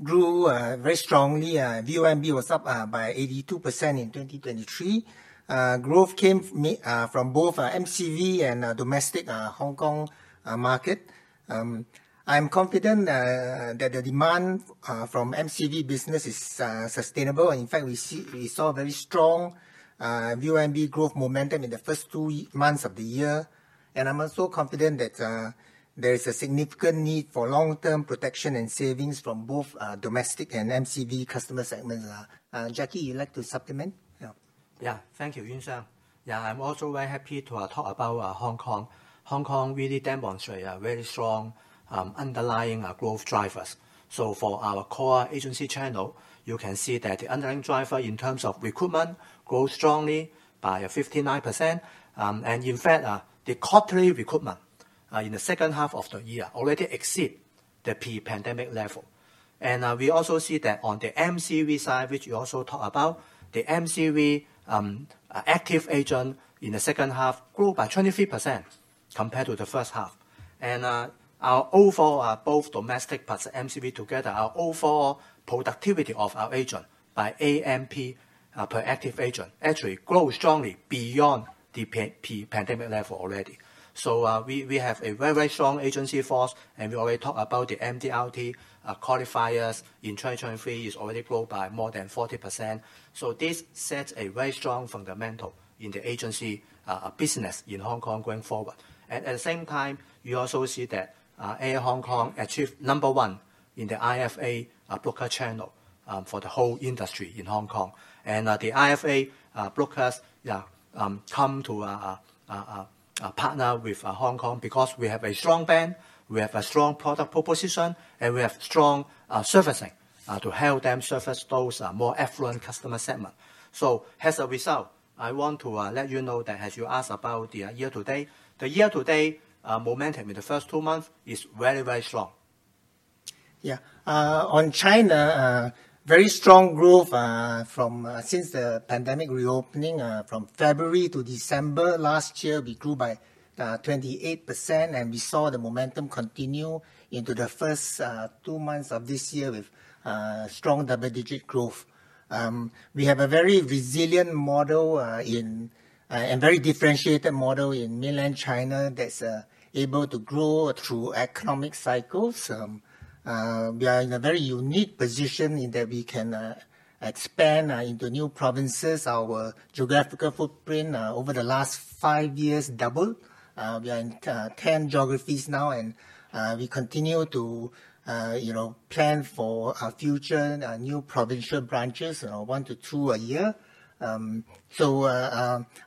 grew very strongly. VONB was up by 82% in 2023. Growth came from both MCV and domestic Hong Kong market. I'm confident that the demand from MCV business is sustainable. In fact, we saw very strong VONB growth momentum in the first two months of the year. And I'm also confident that there is a significant need for long-term protection and savings from both domestic and MCV customer segments. Jacky, you'd like to supplement? Yeah, thank you, Lee Yuan Siong. Yeah, I'm also very happy to talk about Hong Kong. Hong Kong really demonstrates very strong underlying growth drivers. So for our core agency channel, you can see that the underlying driver in terms of recruitment grows strongly by 59%. And in fact, the quarterly recruitment in the second half of the year already exceeds the pre-pandemic level. And we also see that on the MCV side, which you also talked about, the MCV active agent in the second half grew by 23% compared to the first half. And our overall, both domestic plus MCV together, our overall productivity of our agent by AMP per active agent actually grows strongly beyond the pre-pandemic level already. So we have a very, very strong agency force, and we already talked about the MDRT qualifiers. In 2023, it already grew by more than 40%. So this sets a very strong fundamental in the agency business in Hong Kong going forward. And at the same time, you also see that AIA Hong Kong achieved number one in the IFA broker channel for the whole industry in Hong Kong. And the IFA brokers come to partner with Hong Kong because we have a strong brand, we have a strong product proposition, and we have strong servicing to help them service those more affluent customer segments. So as a result, I want to let you know that as you asked about the year-to-date, the year-to-date momentum in the first two months is very, very strong. Yeah, on China, very strong growth since the pandemic reopening. From February to December last year, we grew by 28%, and we saw the momentum continue into the first two months of this year with strong double-digit growth. We have a very resilient model and very differentiated model in mainland China that's able to grow through economic cycles. We are in a very unique position in that we can expand into new provinces. Our geographical footprint over the last five years doubled. We are in 10 geographies now, and we continue to plan for future new provincial branches 1-2 a year. So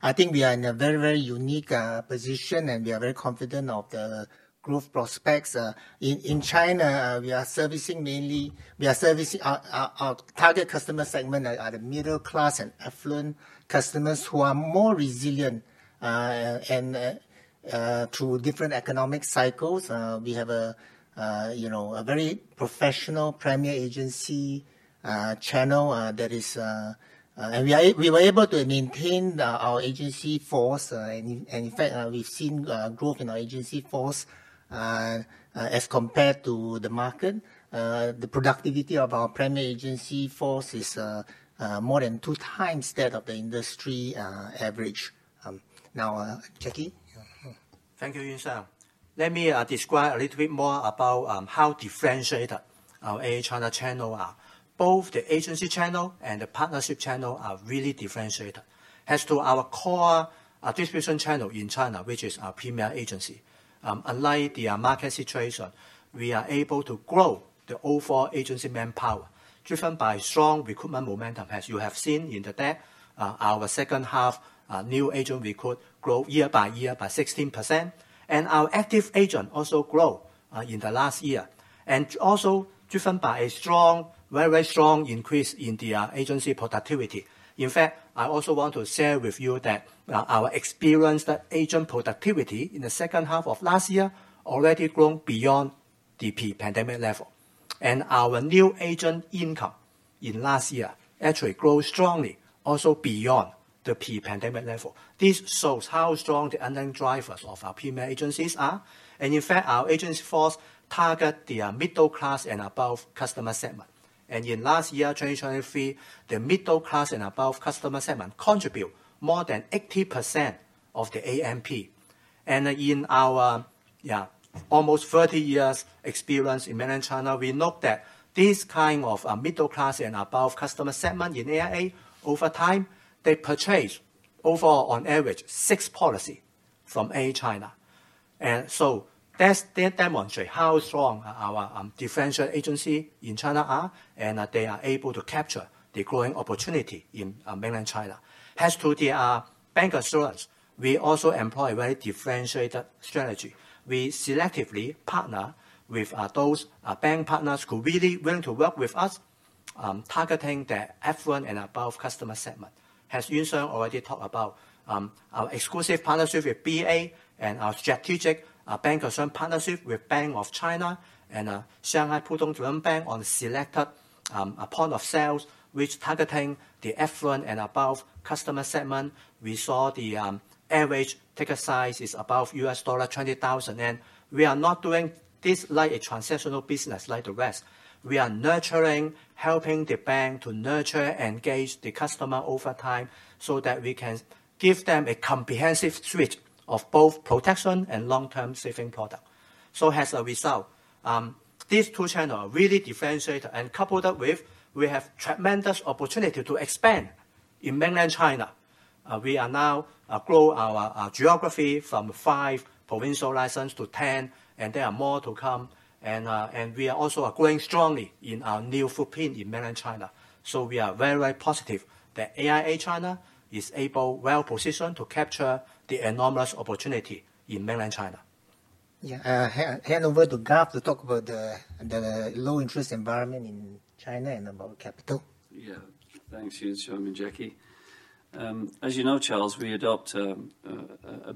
I think we are in a very, very unique position, and we are very confident of the growth prospects. In China, we are servicing mainly our target customer segment, the middle-class and affluent customers who are more resilient to different economic cycles. We have a very professional premier agency channel that is, and we were able to maintain our agency force. In fact, we've seen growth in our agency force as compared to the market. The productivity of our premier agency force is more than 2x that of the industry average. Now, Jacky? Thank you, Lee Yuan Siong. Let me describe a little bit more about how differentiated our AIA China channels are. Both the agency channel and the partnership channel are really differentiated. As to our core distribution channel in China, which is our premier agency, unlike the market situation, we are able to grow the overall agency manpower driven by strong recruitment momentum. As you have seen in the data, our second half new agent recruit grow year by year by 16%, and our active agent also grew in the last year, and also driven by a very, very strong increase in the agency productivity. In fact, I also want to share with you that our experienced agent productivity in the second half of last year already grew beyond the pre-pandemic level. And our new agent income in last year actually grew strongly also beyond the pre-pandemic level. This shows how strong the underlying drivers of our premier agencies are. And in fact, our agency force targets the middle-class and above customer segment. And in last year, 2023, the middle-class and above customer segment contributed more than 80% of the ANP. And in our almost 30 years' experience in mainland China, we note that this kind of middle-class and above customer segment in AIA, over time, they purchase overall, on average, six policies from AIA China. And so that demonstrates how strong our differential agencies in China are, and they are able to capture the growing opportunity in mainland China. As to the bancassurance, we also employ a very differentiated strategy. We selectively partner with those bank partners who are really willing to work with us, targeting the affluent and above customer segment. As Yuan Siong already talked about, our exclusive partnership with BEA and our strategic bancassurance partnership with Bank of China and Shanghai Pudong Development Bank on selected points of sales, which are targeting the affluent and above customer segment. We saw the average ticket size is above $20,000. We are not doing this like a transactional business like the rest. We are nurturing, helping the bank to nurture and engage the customer over time so that we can give them a comprehensive suite of both protection and long-term savings products. So as a result, these two channels are really differentiated. And coupled with, we have tremendous opportunity to expand in mainland China. We are now growing our geography from 5 provincial licenses to 10, and there are more to come. And we are also growing strongly in our new footprint in mainland China. We are very, very positive that AIA China is able, well-positioned, to capture the enormous opportunity in mainland China. Yeah, hand over to Garth to talk about the low-interest environment in China and about capital. Yeah, thanks, Yuan Siong and Jacky. As you know, Charles, we adopt a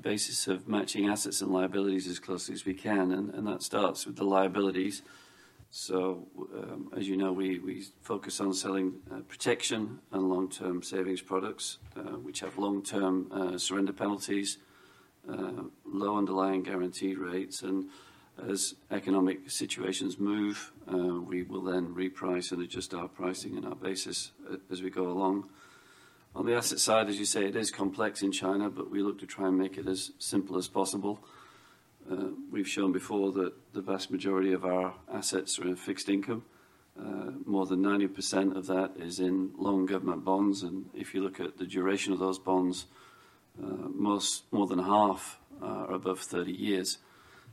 basis of matching assets and liabilities as closely as we can. That starts with the liabilities. As you know, we focus on selling protection and long-term savings products, which have long-term surrender penalties, low underlying guarantee rates. As economic situations move, we will then reprice and adjust our pricing and our basis as we go along. On the asset side, as you say, it is complex in China, but we look to try and make it as simple as possible. We've shown before that the vast majority of our assets are in fixed income. More than 90% of that is in long government bonds. If you look at the duration of those bonds, more than half are above 30 years.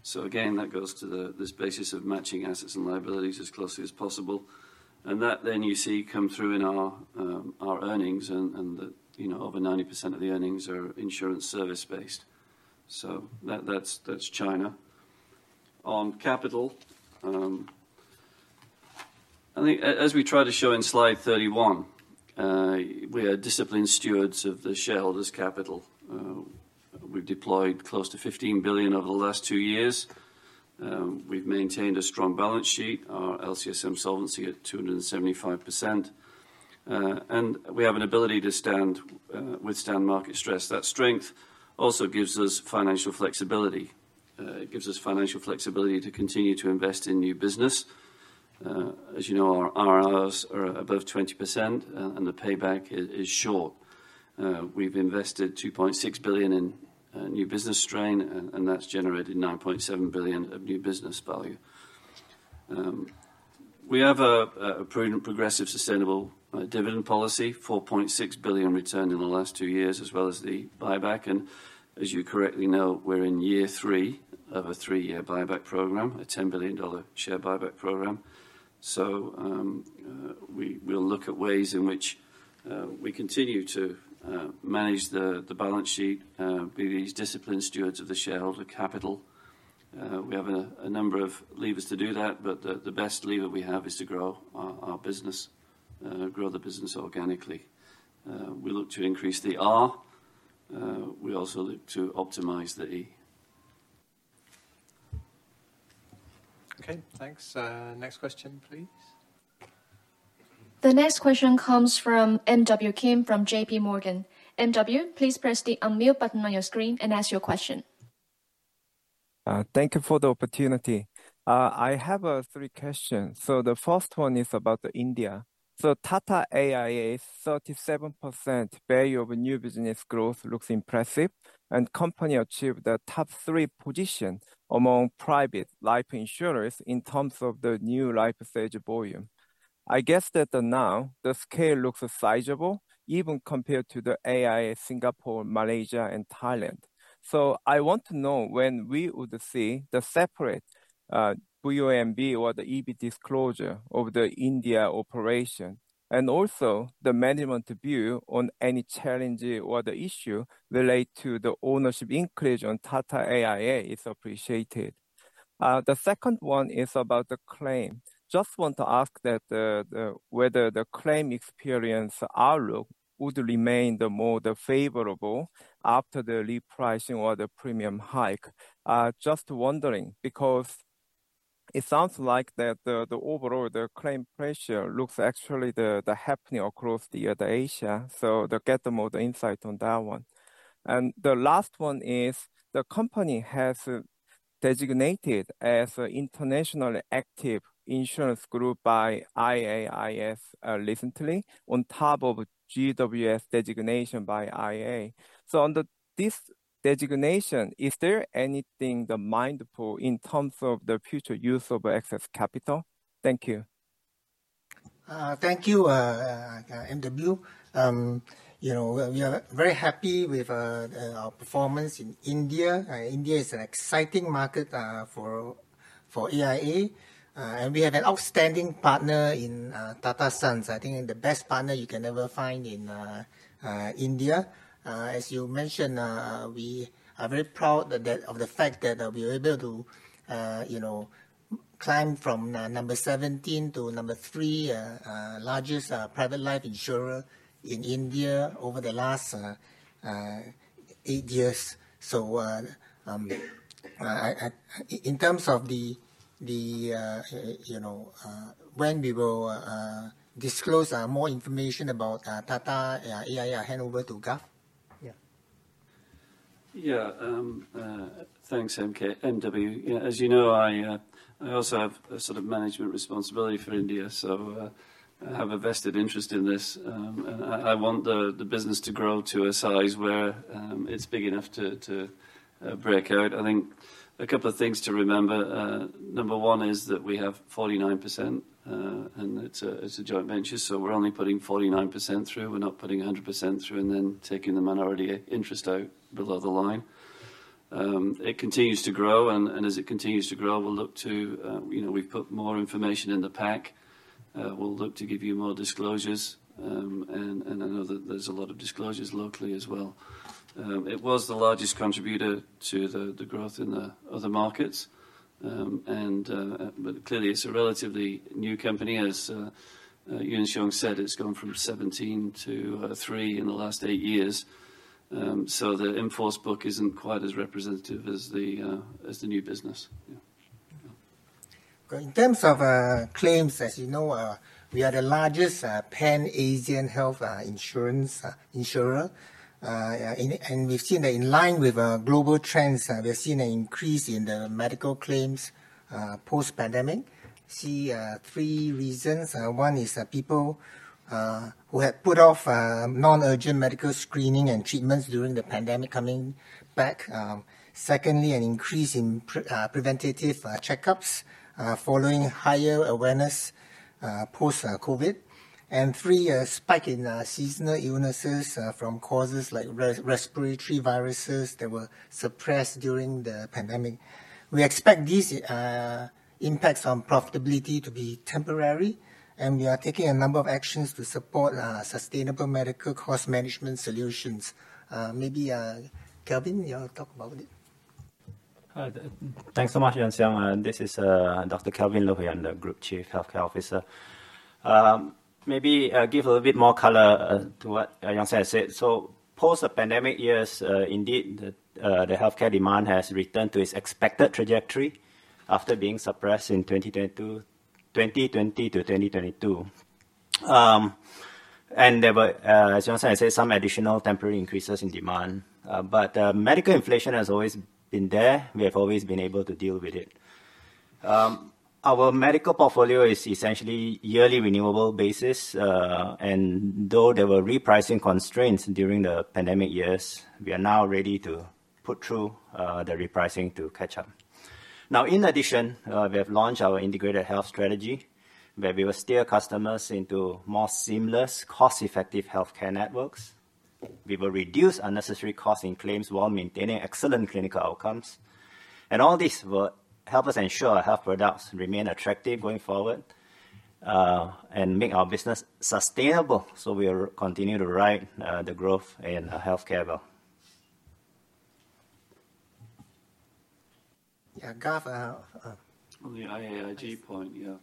So again, that goes to this basis of matching assets and liabilities as closely as possible. And that then you see come through in our earnings, and over 90% of the earnings are insurance service-based. So that's China. On capital, I think as we tried to show in slide 31, we are disciplined stewards of the shareholders' capital. We've deployed close to $15 billion over the last two years. We've maintained a strong balance sheet, our LCSM solvency at 275%. And we have an ability to withstand market stress. That strength also gives us financial flexibility. It gives us financial flexibility to continue to invest in new business. As you know, our IRRs are above 20%, and the payback is short. We've invested $2.6 billion in new business strain, and that's generated $9.7 billion of new business value. We have a prudent, progressive, sustainable dividend policy, $4.6 billion return in the last two years, as well as the buyback. And as you correctly know, we're in year three of a three-year buyback program, a $10 billion share buyback program. So we'll look at ways in which we continue to manage the balance sheet, be these disciplined stewards of the shareholder capital. We have a number of levers to do that, but the best lever we have is to grow our business, grow the business organically. We look to increase the R. We also look to optimize the E. Okay, thanks. Next question, please. The next question comes from M.W. Kim from J.P. Morgan. M.W., please press the unmute button on your screen and ask your question. Thank you for the opportunity. I have three questions. So the first one is about India. So Tata AIA's 37% value of new business growth looks impressive, and the company achieved the top three position among private life insurers in terms of the new life stage volume. I guess that now the scale looks sizable, even compared to the AIA Singapore, Malaysia, and Thailand. So I want to know when we would see the separate VONB or the EV disclosure of the India operation. And also, the management view on any challenge or the issue related to the ownership increase on Tata AIA is appreciated. The second one is about the claim. Just want to ask whether the claim experience outlook would remain more favorable after the repricing or the premium hike. Just wondering, because it sounds like that overall, the claim pressure looks actually happening across the other Asia. Get more insight on that one. The last one is the company has designated as an internationally active insurance group by IAIS recently, on top of GWS designation by IAA. Under this designation, is there anything mindful in terms of the future use of excess capital? Thank you. Thank you, MW. We are very happy with our performance in India. India is an exciting market for AIA. We have an outstanding partner in Tata Sons. I think the best partner you can ever find in India. As you mentioned, we are very proud of the fact that we were able to climb from number 17 to number 3, largest private life insurer in India over the last 8 years. So in terms of when we will disclose more information about Tata AIA, hand over to Garth. Yeah. Yeah, thanks, MW. As you know, I also have a sort of management responsibility for India, so I have a vested interest in this. I want the business to grow to a size where it's big enough to break out. I think a couple of things to remember. Number one is that we have 49%, and it's a joint venture. So we're only putting 49% through. We're not putting 100% through and then taking the minority interest out below the line. It continues to grow. As it continues to grow, we'll look to we've put more information in the pack. We'll look to give you more disclosures. I know that there's a lot of disclosures locally as well. It was the largest contributor to the growth in the other markets. Clearly, it's a relatively new company. As Yuan Siong said, it's gone from 17 to 3 in the last eight years. So the in-force book isn't quite as representative as the new business. In terms of claims, as you know, we are the largest pan-Asian health insurance insurer. We've seen that in line with global trends, we have seen an increase in the medical claims post-pandemic. See three reasons. One is people who have put off non-urgent medical screening and treatments during the pandemic coming back. Secondly, an increase in preventative checkups following higher awareness post-COVID. And three, a spike in seasonal illnesses from causes like respiratory viruses that were suppressed during the pandemic. We expect these impacts on profitability to be temporary. And we are taking a number of actions to support sustainable medical cost management solutions. Maybe Kelvin, you'll talk about it. Thanks so much, Yuan Siong Lee. This is Dr. Kelvin Loh here, the Group Chief Healthcare Officer. Maybe give a little bit more color to what Yuan Siong has said. So post-pandemic years, indeed, the healthcare demand has returned to its expected trajectory after being suppressed in 2020 to 2022. And there were, as Yuan Siong has said, some additional temporary increases in demand. But medical inflation has always been there. We have always been able to deal with it. Our medical portfolio is essentially yearly renewable basis. And though there were repricing constraints during the pandemic years, we are now ready to put through the repricing to catch up. Now, in addition, we have launched our integrated health strategy where we will steer customers into more seamless, cost-effective healthcare networks. We will reduce unnecessary costs in claims while maintaining excellent clinical outcomes. All these will help us ensure our health products remain attractive going forward and make our business sustainable. We will continue to ride the growth in healthcare well. Yeah, Garth. On the IAIG point, yeah.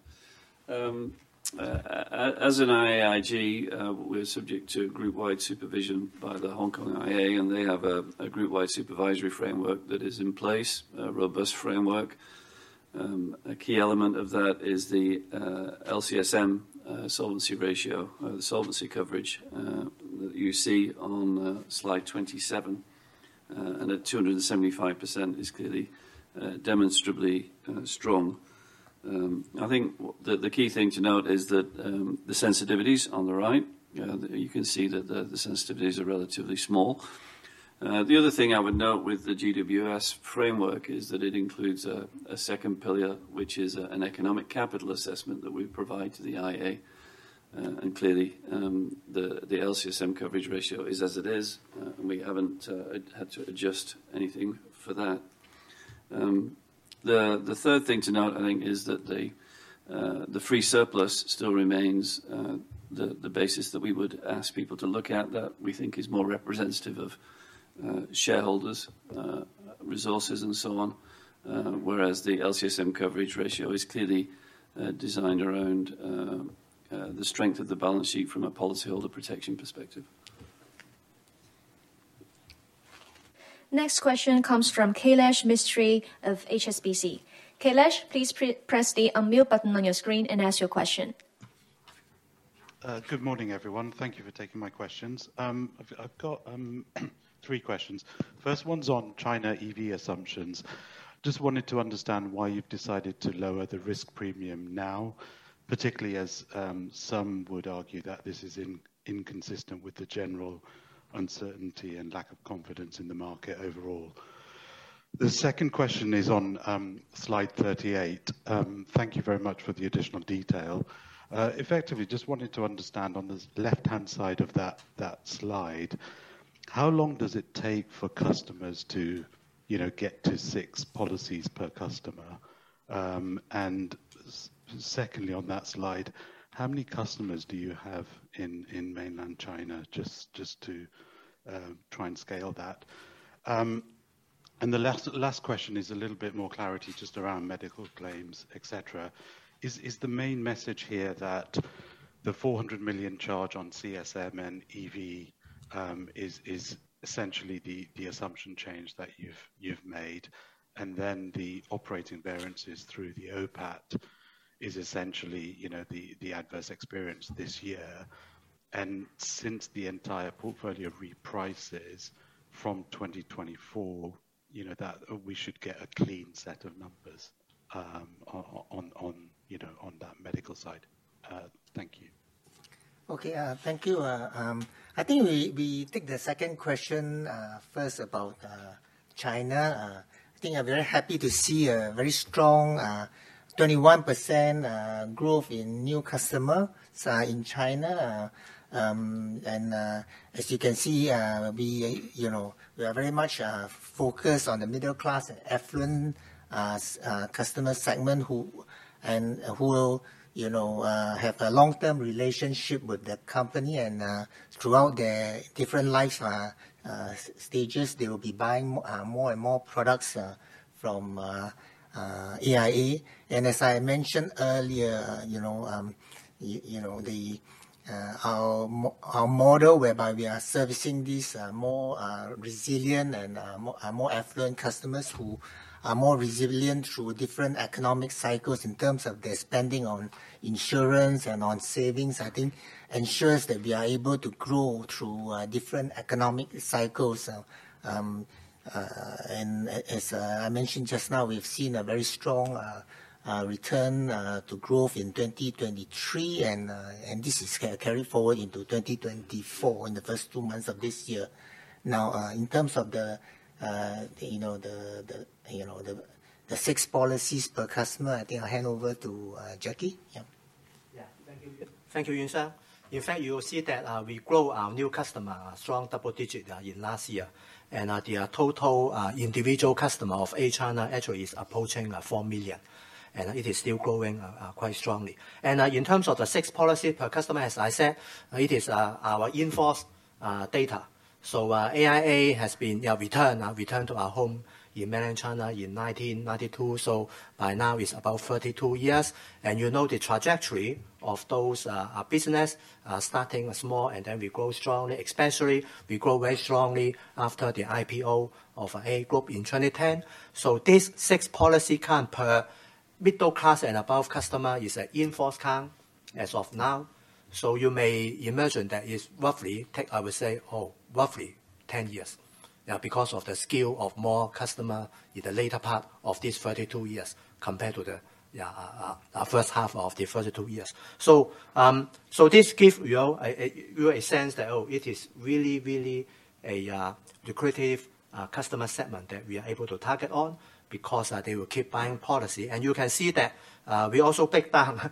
As an IAIG, we're subject to group-wide supervision by the Hong Kong IAA. They have a group-wide supervisory framework that is in place, a robust framework. A key element of that is the LCSM solvency ratio, the solvency coverage that you see on slide 27. At 275%, it's clearly demonstrably strong. I think the key thing to note is that the sensitivities on the right, you can see that the sensitivities are relatively small. The other thing I would note with the GWS framework is that it includes a second pillar, which is an economic capital assessment that we provide to the IAA. Clearly, the LCSM coverage ratio is as it is. We haven't had to adjust anything for that. The third thing to note, I think, is that the free surplus still remains the basis that we would ask people to look at that we think is more representative of shareholders' resources and so on. Whereas the LCSM coverage ratio is clearly designed around the strength of the balance sheet from a policyholder protection perspective. Next question comes from Kailesh Mistry of HSBC. Kailesh, please press the unmute button on your screen and ask your question. Good morning, everyone. Thank you for taking my questions. I've got 3 questions. First one's on China EV assumptions. Just wanted to understand why you've decided to lower the risk premium now, particularly as some would argue that this is inconsistent with the general uncertainty and lack of confidence in the market overall. The second question is on slide 38. Thank you very much for the additional detail. Effectively, just wanted to understand on the left-hand side of that slide, how long does it take for customers to get to 6 policies per customer? And secondly, on that slide, how many customers do you have in mainland China, just to try and scale that? And the last question is a little bit more clarity just around medical claims, etc. Is the main message here that the $400 million charge on CSM and EV is essentially the assumption change that you've made? And then the operating variances through the OPAT is essentially the adverse experience this year. And since the entire portfolio reprices from 2024, we should get a clean set of numbers on that medical side. Thank you. Okay, thank you. I think we take the second question first about China. I think I'm very happy to see a very strong 21% growth in new customers in China. And as you can see, we are very much focused on the middle-class and affluent customer segment and who will have a long-term relationship with the company. And throughout their different life stages, they will be buying more and more products from AIA. And as I mentioned earlier, our model whereby we are servicing these more resilient and more affluent customers who are more resilient through different economic cycles in terms of their spending on insurance and on savings, I think, ensures that we are able to grow through different economic cycles. And as I mentioned just now, we've seen a very strong return to growth in 2023. This is carried forward into 2024 in the first two months of this year. Now, in terms of the six policies per customer, I think I'll hand over to Jacky. Yeah. Yeah, thank you. Thank you, Lee Yuan Siong. In fact, you will see that we grow our new customer, strong double-digit, in last year. The total individual customer of AIA China actually is approaching 4 million. And it is still growing quite strongly. In terms of the six policies per customer, as I said, it is our in-force data. So AIA has returned to our home in mainland China in 1992. So by now, it's about 32 years. And you know the trajectory of those businesses starting small and then we grow strongly. Especially, we grow very strongly after the IPO of AIA Group in 2010. So these six policy counts per middle-class and above customer is an in-force count as of now. So you may imagine that it's roughly, I would say, oh, roughly 10 years because of the scale of more customers in the later part of these 32 years compared to the first half of the 32 years. So this gives you a sense that, oh, it is really, really a lucrative customer segment that we are able to target on because they will keep buying policy. And you can see that we also break down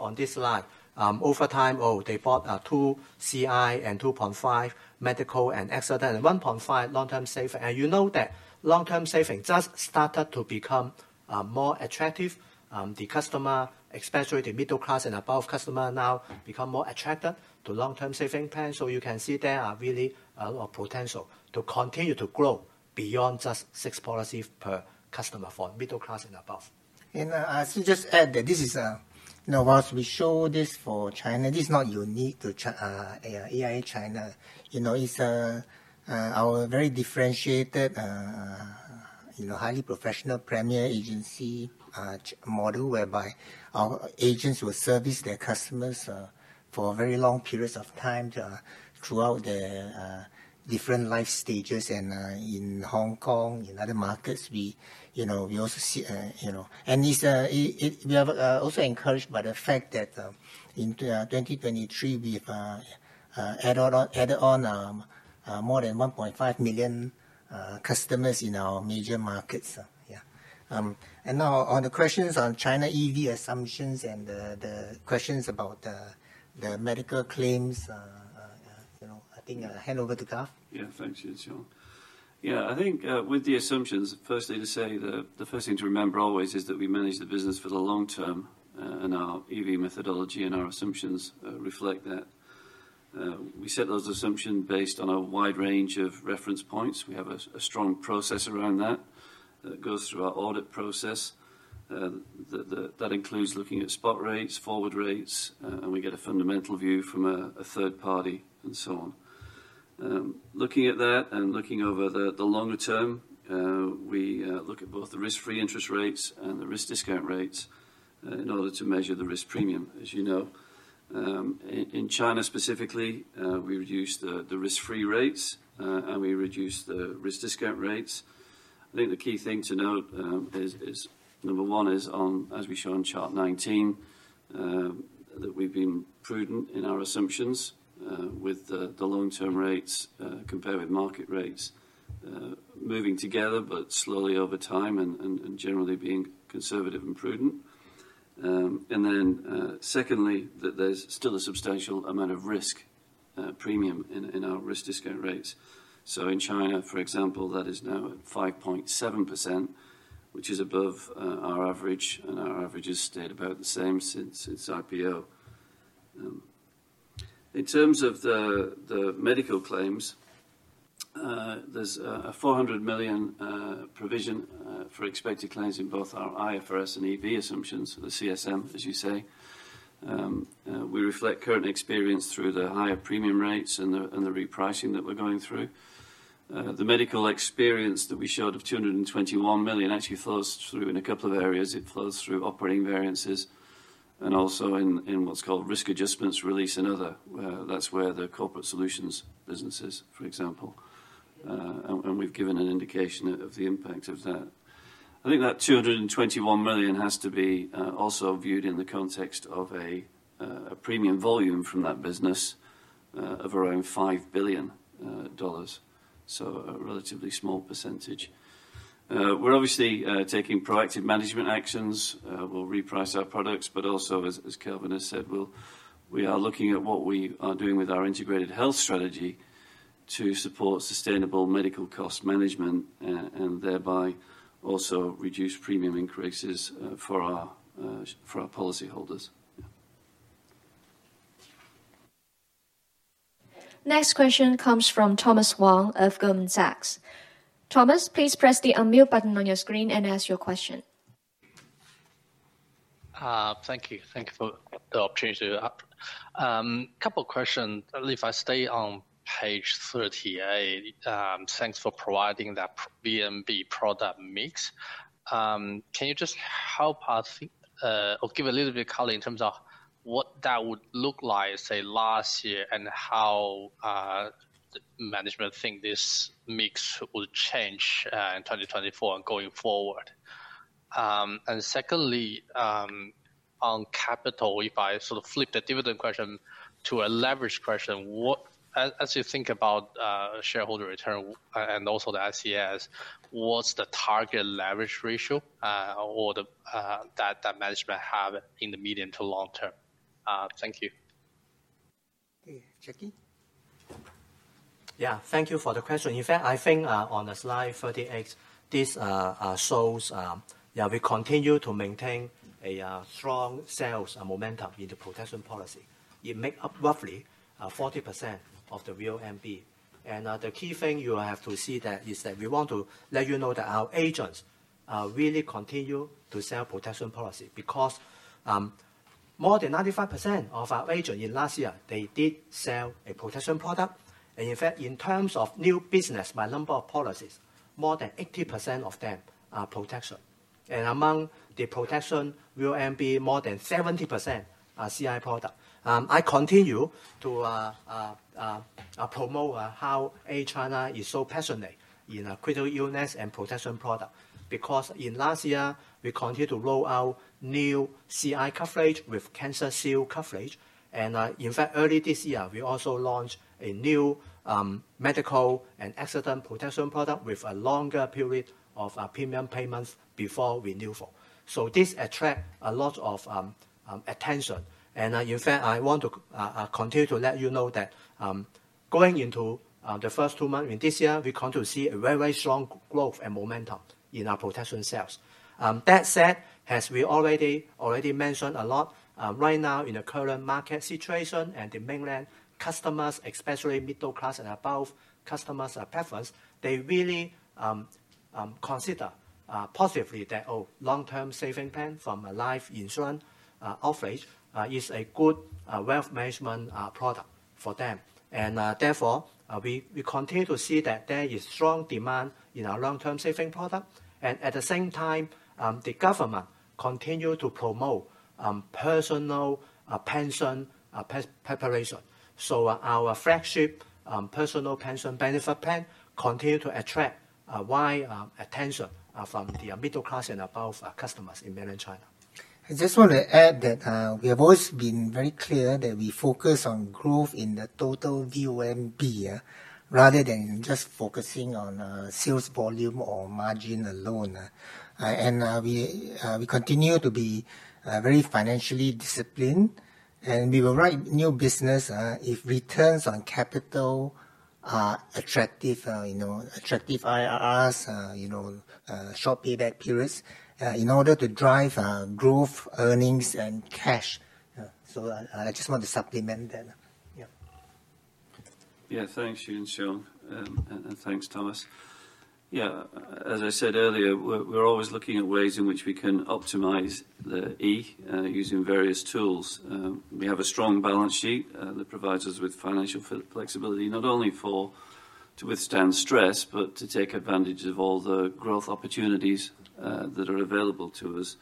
on this slide. Over time, oh, they bought 2 CI and 2.5 medical and accident and 1.5 long-term saving. And you know that long-term saving just started to become more attractive. The customer, especially the middle-class and above customer, now become more attracted to long-term saving plans. So you can see there are really a lot of potential to continue to grow beyond just 6 policies per customer for middle-class and above. I should just add that this is whilst we show this for China; this is not unique to AIA China. It's our very differentiated, highly professional premier agency model whereby our agents will service their customers for a very long period of time throughout their different life stages. In Hong Kong, in other markets, we also see and we are also encouraged by the fact that in 2023, we've added on more than 1.5 million customers in our major markets. Yeah. Now, on the questions on China EV assumptions and the questions about the medical claims, I think I'll hand over to Garth. Yeah, thanks, Lee Yuan Siong. Yeah, I think with the assumptions, firstly to say, the first thing to remember always is that we manage the business for the long term. And our EV methodology and our assumptions reflect that. We set those assumptions based on a wide range of reference points. We have a strong process around that that goes through our audit process. That includes looking at spot rates, forward rates. And we get a fundamental view from a third party and so on. Looking at that and looking over the longer term, we look at both the risk-free interest rates and the risk discount rates in order to measure the risk premium. As you know, in China specifically, we reduce the risk-free rates. And we reduce the risk discount rates. I think the key thing to note is, number one is, as we show on chart 19, that we've been prudent in our assumptions with the long-term rates compared with market rates moving together but slowly over time and generally being conservative and prudent. And then secondly, that there's still a substantial amount of risk premium in our risk discount rates. So in China, for example, that is now at 5.7%, which is above our average. And our average has stayed about the same since IPO. In terms of the medical claims, there's a $400 million provision for expected claims in both our IFRS and EV assumptions, the CSM, as you say. We reflect current experience through the higher premium rates and the repricing that we're going through. The medical experience that we showed of $221 million actually flows through in a couple of areas. It flows through operating variances and also in what's called risk adjustments, release, and other. That's where the corporate solutions businesses, for example. We've given an indication of the impact of that. I think that $221 million has to be also viewed in the context of a premium volume from that business of around $5 billion. A relatively small percentage. We're obviously taking proactive management actions. We'll reprice our products. But also, as Kelvin has said, we are looking at what we are doing with our integrated health strategy to support sustainable medical cost management and thereby also reduce premium increases for our policyholders. Yeah. Next question comes from Thomas Wang of Goldman Sachs. Thomas, please press the unmute button on your screen and ask your question. Thank you. Thank you for the opportunity. Couple of questions. If I stay on page 38, thanks for providing that VONB product mix. Can you just help us or give a little bit of color in terms of what that would look like, say, last year and how the management think this mix would change in 2024 and going forward? And secondly, on capital, if I sort of flip the dividend question to a leverage question, as you think about shareholder return and also the ICS, what's the target leverage ratio that management have in the medium to long term? Thank you. Okay, Jacky? Yeah, thank you for the question. In fact, I think on slide 38, this shows we continue to maintain a strong sales momentum in the protection policy. It makes up roughly 40% of the real MB. And the key thing you have to see that is that we want to let you know that our agents really continue to sell protection policy because more than 95% of our agents in last year, they did sell a protection product. And in fact, in terms of new business by number of policies, more than 80% of them are protection. And among the protection real MB, more than 70% are CI product. I continue to promote how AIA China is so passionate in critical illness and protection product because in last year, we continue to roll out new CI coverage with Cancer Shield coverage. And in fact, early this year, we also launched a new medical and accident protection product with a longer period of premium payments before renewal. So this attracts a lot of attention. And in fact, I want to continue to let you know that going into the first 2 months in this year, we continue to see a very, very strong growth and momentum in our protection sales. That said, as we already mentioned a lot, right now in the current market situation and the mainland customers, especially middle-class and above customers' preference, they really consider positively that, oh, long-term saving plan from AIA is a good wealth management product for them. And therefore, we continue to see that there is strong demand in our long-term saving product. And at the same time, the government continues to promote personal pension preparation. So our flagship personal pension benefit plan continues to attract wide attention from the middle-class and above customers in mainland China. I just want to add that we have always been very clear that we focus on growth in the total VOMB rather than just focusing on sales volume or margin alone. We continue to be very financially disciplined. We will write new business if returns on capital are attractive, attractive IRRs, short payback periods in order to drive growth, earnings, and cash. I just want to supplement that. Yeah. Yeah, thanks, Lee Yuan Siong. And thanks, Thomas. Yeah, as I said earlier, we're always looking at ways in which we can optimize the E using various tools. We have a strong balance sheet that provides us with financial flexibility not only to withstand stress but to take advantage of all the growth opportunities that are available to us.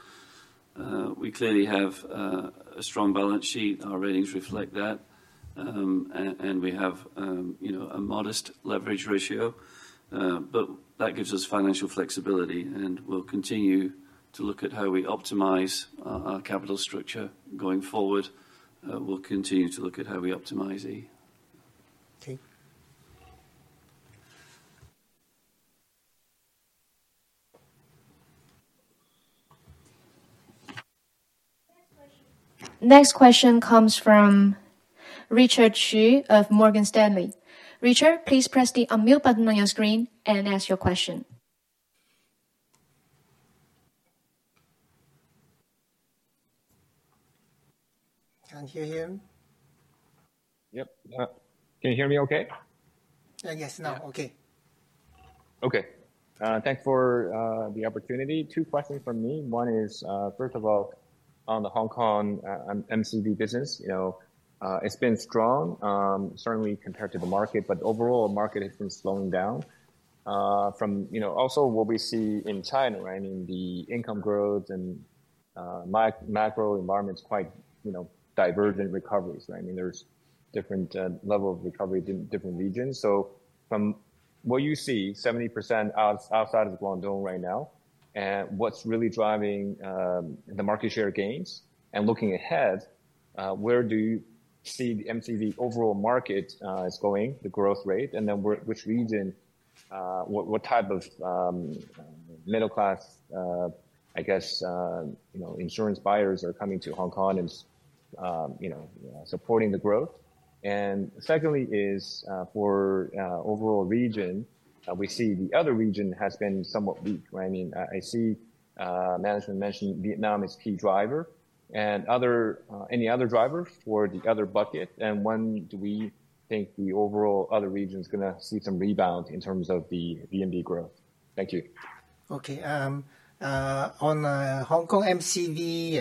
We clearly have a strong balance sheet. Our ratings reflect that. And we have a modest leverage ratio. But that gives us financial flexibility. And we'll continue to look at how we optimize our capital structure going forward. We'll continue to look at how we optimize E. Okay. Next question comes from Richard Xu of Morgan Stanley. Richard, please press the unmute button on your screen and ask your question. Can't hear him. Yep. Can you hear me okay? Yes. Now, okay. Okay. Thanks for the opportunity. Two questions from me. One is, first of all, on the Hong Kong MCV business, it's been strong, certainly compared to the market. But overall, the market has been slowing down. Also, what we see in China, right, I mean, the income growth and macro environment is quite divergent recoveries, right? I mean, there's different levels of recovery in different regions. So from what you see, 70% outside of Guangdong right now. And what's really driving the market share gains? And looking ahead, where do you see the MCV overall market is going, the growth rate? And then which region, what type of middle-class, I guess, insurance buyers are coming to Hong Kong and supporting the growth? And secondly is, for overall region, we see the other region has been somewhat weak, right? I mean, I see management mentioning Vietnam as key driver and any other drivers for the other bucket. When do we think the overall other region is going to see some rebound in terms of the VONB growth? Thank you. Okay. On Hong Kong MCV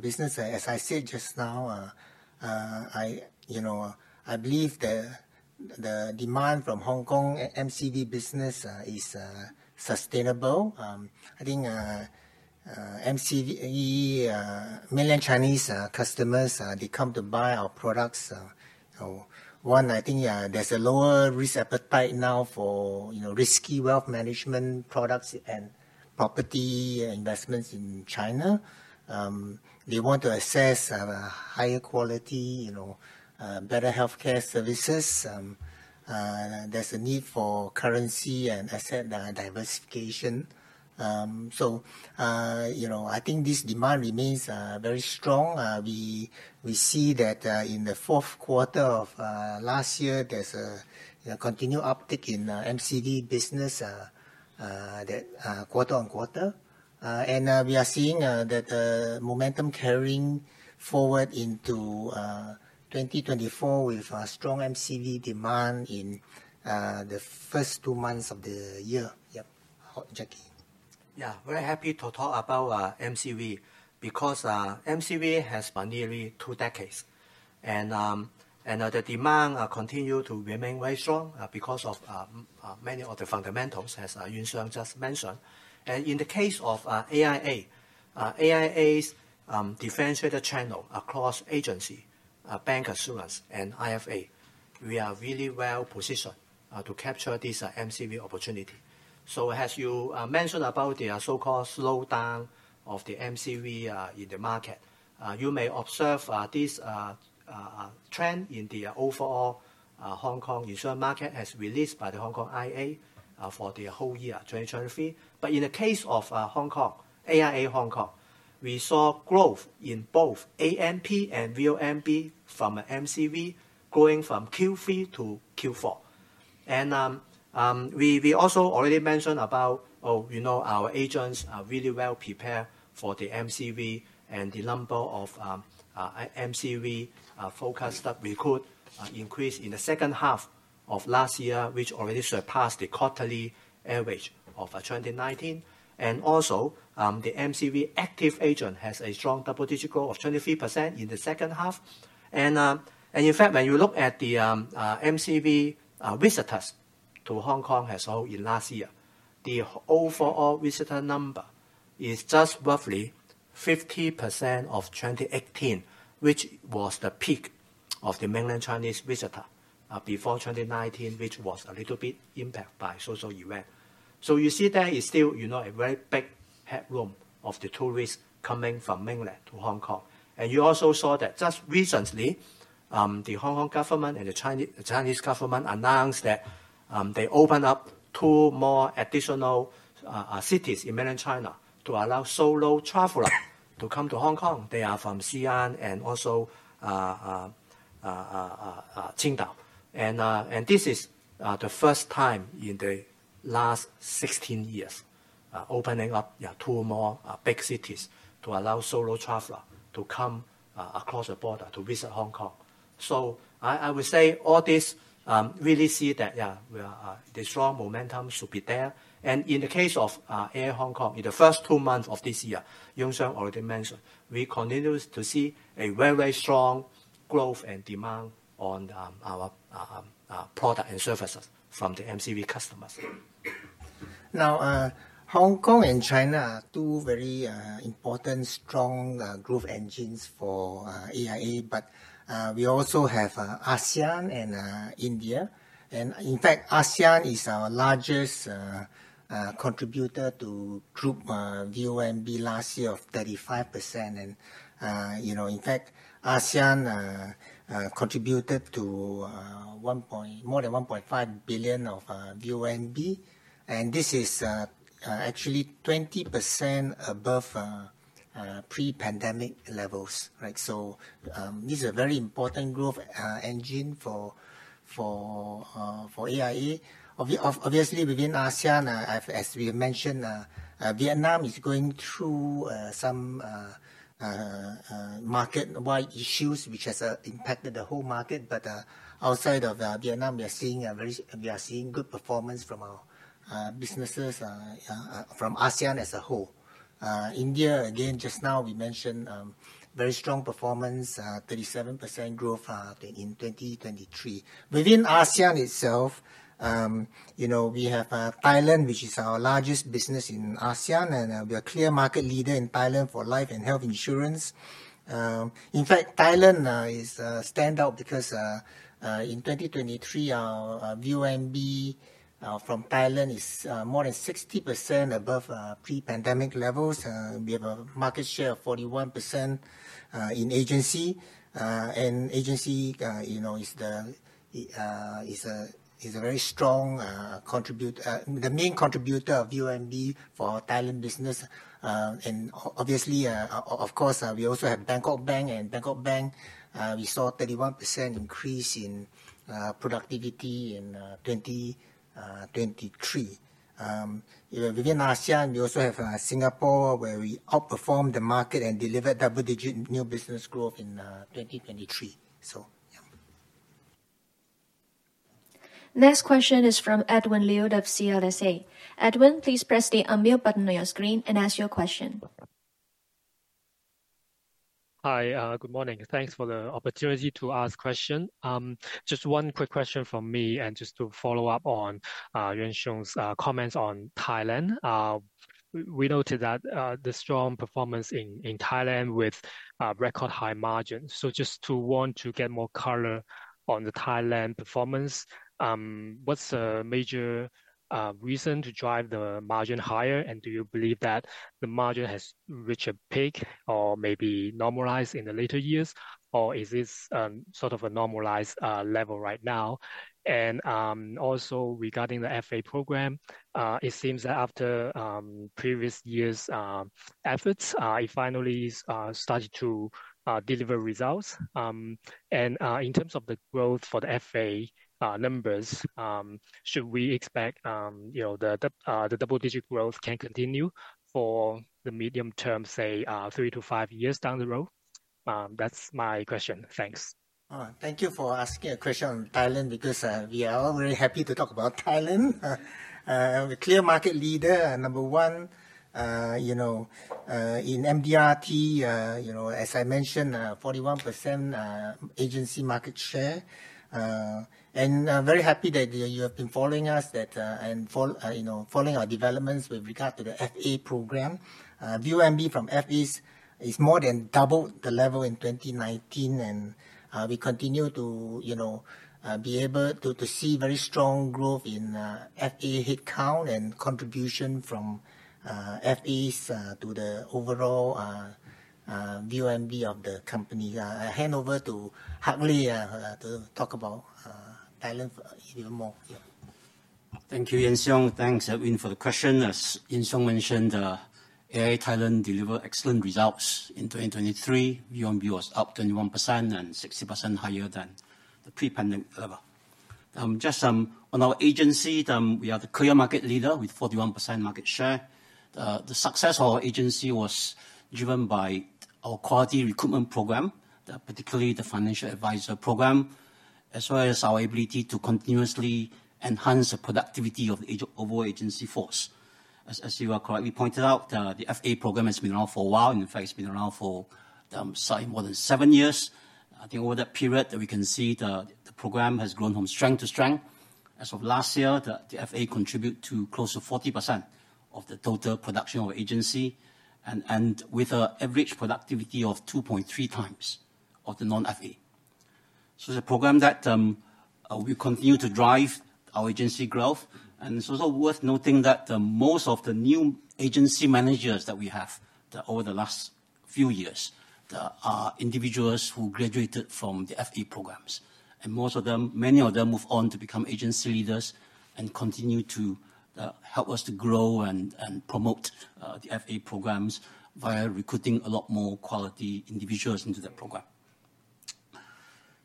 business, as I said just now, I believe that the demand from Hong Kong MCV business is sustainable. I think mainland Chinese customers, they come to buy our products. One, I think there's a lower risk appetite now for risky wealth management products and property investments in China. They want to access higher quality, better healthcare services. There's a need for currency and asset diversification. So I think this demand remains very strong. We see that in the fourth quarter of last year, there's a continued uptick in MCV business quarter-on-quarter. And we are seeing that momentum carrying forward into 2024 with strong MCV demand in the first two months of the year. Yep. Over, Jacky. Yeah, very happy to talk about MCB because MCB has nearly two decades. And the demand continues to remain very strong because of many of the fundamentals, as Yuan Siong just mentioned. And in the case of AIA, AIA's differentiated channel across agency, bancassurance, and IFA, we are really well positioned to capture this MCB opportunity. So as you mentioned about the so-called slowdown of the MCB in the market, you may observe this trend in the overall Hong Kong insurance market, as released by the Hong Kong IA for the whole year, 2023. But in the case of Hong Kong, AIA Hong Kong, we saw growth in both AMP and VOMB from MCB, growing from Q3 to Q4. We also already mentioned about, oh, our agents are really well prepared for the MCV and the number of MCV focused recruits increased in the second half of last year, which already surpassed the quarterly average of 2019. Also, the MCV active agent has a strong double-digit growth of 23% in the second half. And in fact, when you look at the MCV visitors to Hong Kong as well in last year, the overall visitor number is just roughly 50% of 2018, which was the peak of the mainland Chinese visitor before 2019, which was a little bit impacted by social event. You see there is still a very big headroom of the tourists coming from mainland to Hong Kong. You also saw that just recently, the Hong Kong government and the Chinese government announced that they opened up two more additional cities in mainland China to allow solo travelers to come to Hong Kong. They are from Xi'an and also Qingdao. And this is the first time in the last 16 years opening up two more big cities to allow solo travelers to come across the border to visit Hong Kong. So I would say all this really see that, yeah, the strong momentum should be there. And in the case of AIA Hong Kong, in the first two months of this year, Yuan Siong already mentioned, we continue to see a very, very strong growth and demand on our product and services from the MCV customers. Now, Hong Kong and China are two very important, strong growth engines for AIA. We also have ASEAN and India. In fact, ASEAN is our largest contributor to group VOMB last year of 35%. In fact, ASEAN contributed to more than $1.5 billion of VOMB. This is actually 20% above pre-pandemic levels, right? This is a very important growth engine for AIA. Obviously, within ASEAN, as we have mentioned, Vietnam is going through some market-wide issues, which has impacted the whole market. Outside of Vietnam, we are seeing good performance from our businesses from ASEAN as a whole. India, again, just now we mentioned very strong performance, 37% growth in 2023. Within ASEAN itself, we have Thailand, which is our largest business in ASEAN. We are a clear market leader in Thailand for life and health insurance. In fact, Thailand stands out because in 2023, our VOMB from Thailand is more than 60% above pre-pandemic levels. We have a market share of 41% in agency. Agency is a very strong the main contributor of VOMB for our Thailand business. Obviously, of course, we also have Bangkok Bank. And Bangkok Bank, we saw a 31% increase in productivity in 2023. Within ASEAN, we also have Singapore, where we outperformed the market and delivered double-digit new business growth in 2023. Yeah. Next question is from Edwin Liu of CLSA. Edwin, please press the unmute button on your screen and ask your question. Hi. Good morning. Thanks for the opportunity to ask a question. Just one quick question from me and just to follow up on Yuan Siong's comments on Thailand. We noted that the strong performance in Thailand with record high margins. So just to want to get more color on the Thailand performance, what's a major reason to drive the margin higher? And do you believe that the margin has reached a peak or maybe normalized in the later years? Or is this sort of a normalized level right now? And also regarding the FA program, it seems that after previous years' efforts, it finally started to deliver results. And in terms of the growth for the FA numbers, should we expect the double-digit growth can continue for the medium term, say, three to five years down the road? That's my question. Thanks. All right. Thank you for asking a question on Thailand because we are all very happy to talk about Thailand. We're a clear market leader, number one. In MDRT, as I mentioned, 41% agency market share. Very happy that you have been following us and following our developments with regard to the FA program. VOMB from FAs has more than doubled the level in 2019. We continue to be able to see very strong growth in FA headcount and contribution from FAs to the overall VOMB of the company. I hand over to Hak Leh to talk about Thailand even more. Yeah. Thank you, Lee Yuan Siong. Thanks, Edwin, for the question. As Yuan Siong mentioned, AIA Thailand delivered excellent results in 2023. VOMB was up 21% and 60% higher than the pre-pandemic level. Just on our agency, we are the clear market leader with 41% market share. The success of our agency was driven by our quality recruitment program, particularly the financial advisor program, as well as our ability to continuously enhance the productivity of the overall agency force. As you have correctly pointed out, the FA program has been around for a while. In fact, it's been around for more than seven years. I think over that period, we can see the program has grown from strength to strength. As of last year, the FA contributed to close to 40% of the total production of our agency and with an average productivity of 2.3x of the non-FA. It's a program that will continue to drive our agency growth. It's also worth noting that most of the new agency managers that we have over the last few years are individuals who graduated from the FA programs. Many of them move on to become agency leaders and continue to help us to grow and promote the FA programs via recruiting a lot more quality individuals into that program.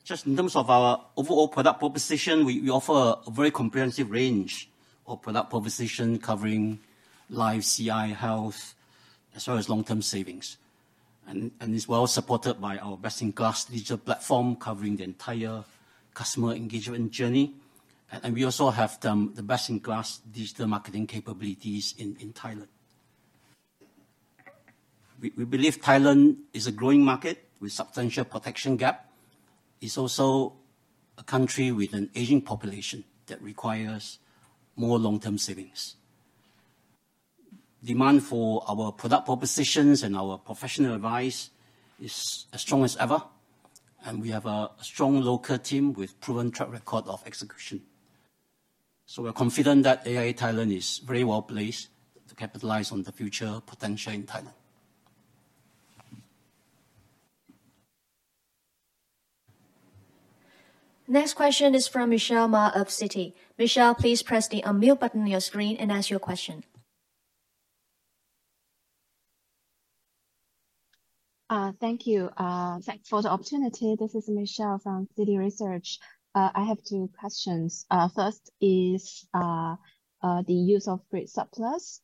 Just in terms of our overall product proposition, we offer a very comprehensive range of product proposition covering life, CI, health, as well as long-term savings. It's well supported by our best-in-class digital platform covering the entire customer engagement journey. We also have the best-in-class digital marketing capabilities in Thailand. We believe Thailand is a growing market with a substantial protection gap. It's also a country with an aging population that requires more long-term savings. Demand for our product propositions and our professional advice is as strong as ever. We have a strong local team with a proven track record of execution. We're confident that AIA Thailand is very well placed to capitalize on the future potential in Thailand. Next question is from Michelle Ma of Citi. Michelle, please press the unmute button on your screen and ask your question. Thank you. Thanks for the opportunity. This is Michelle from Citi Research. I have two questions. First is the use of free surplus.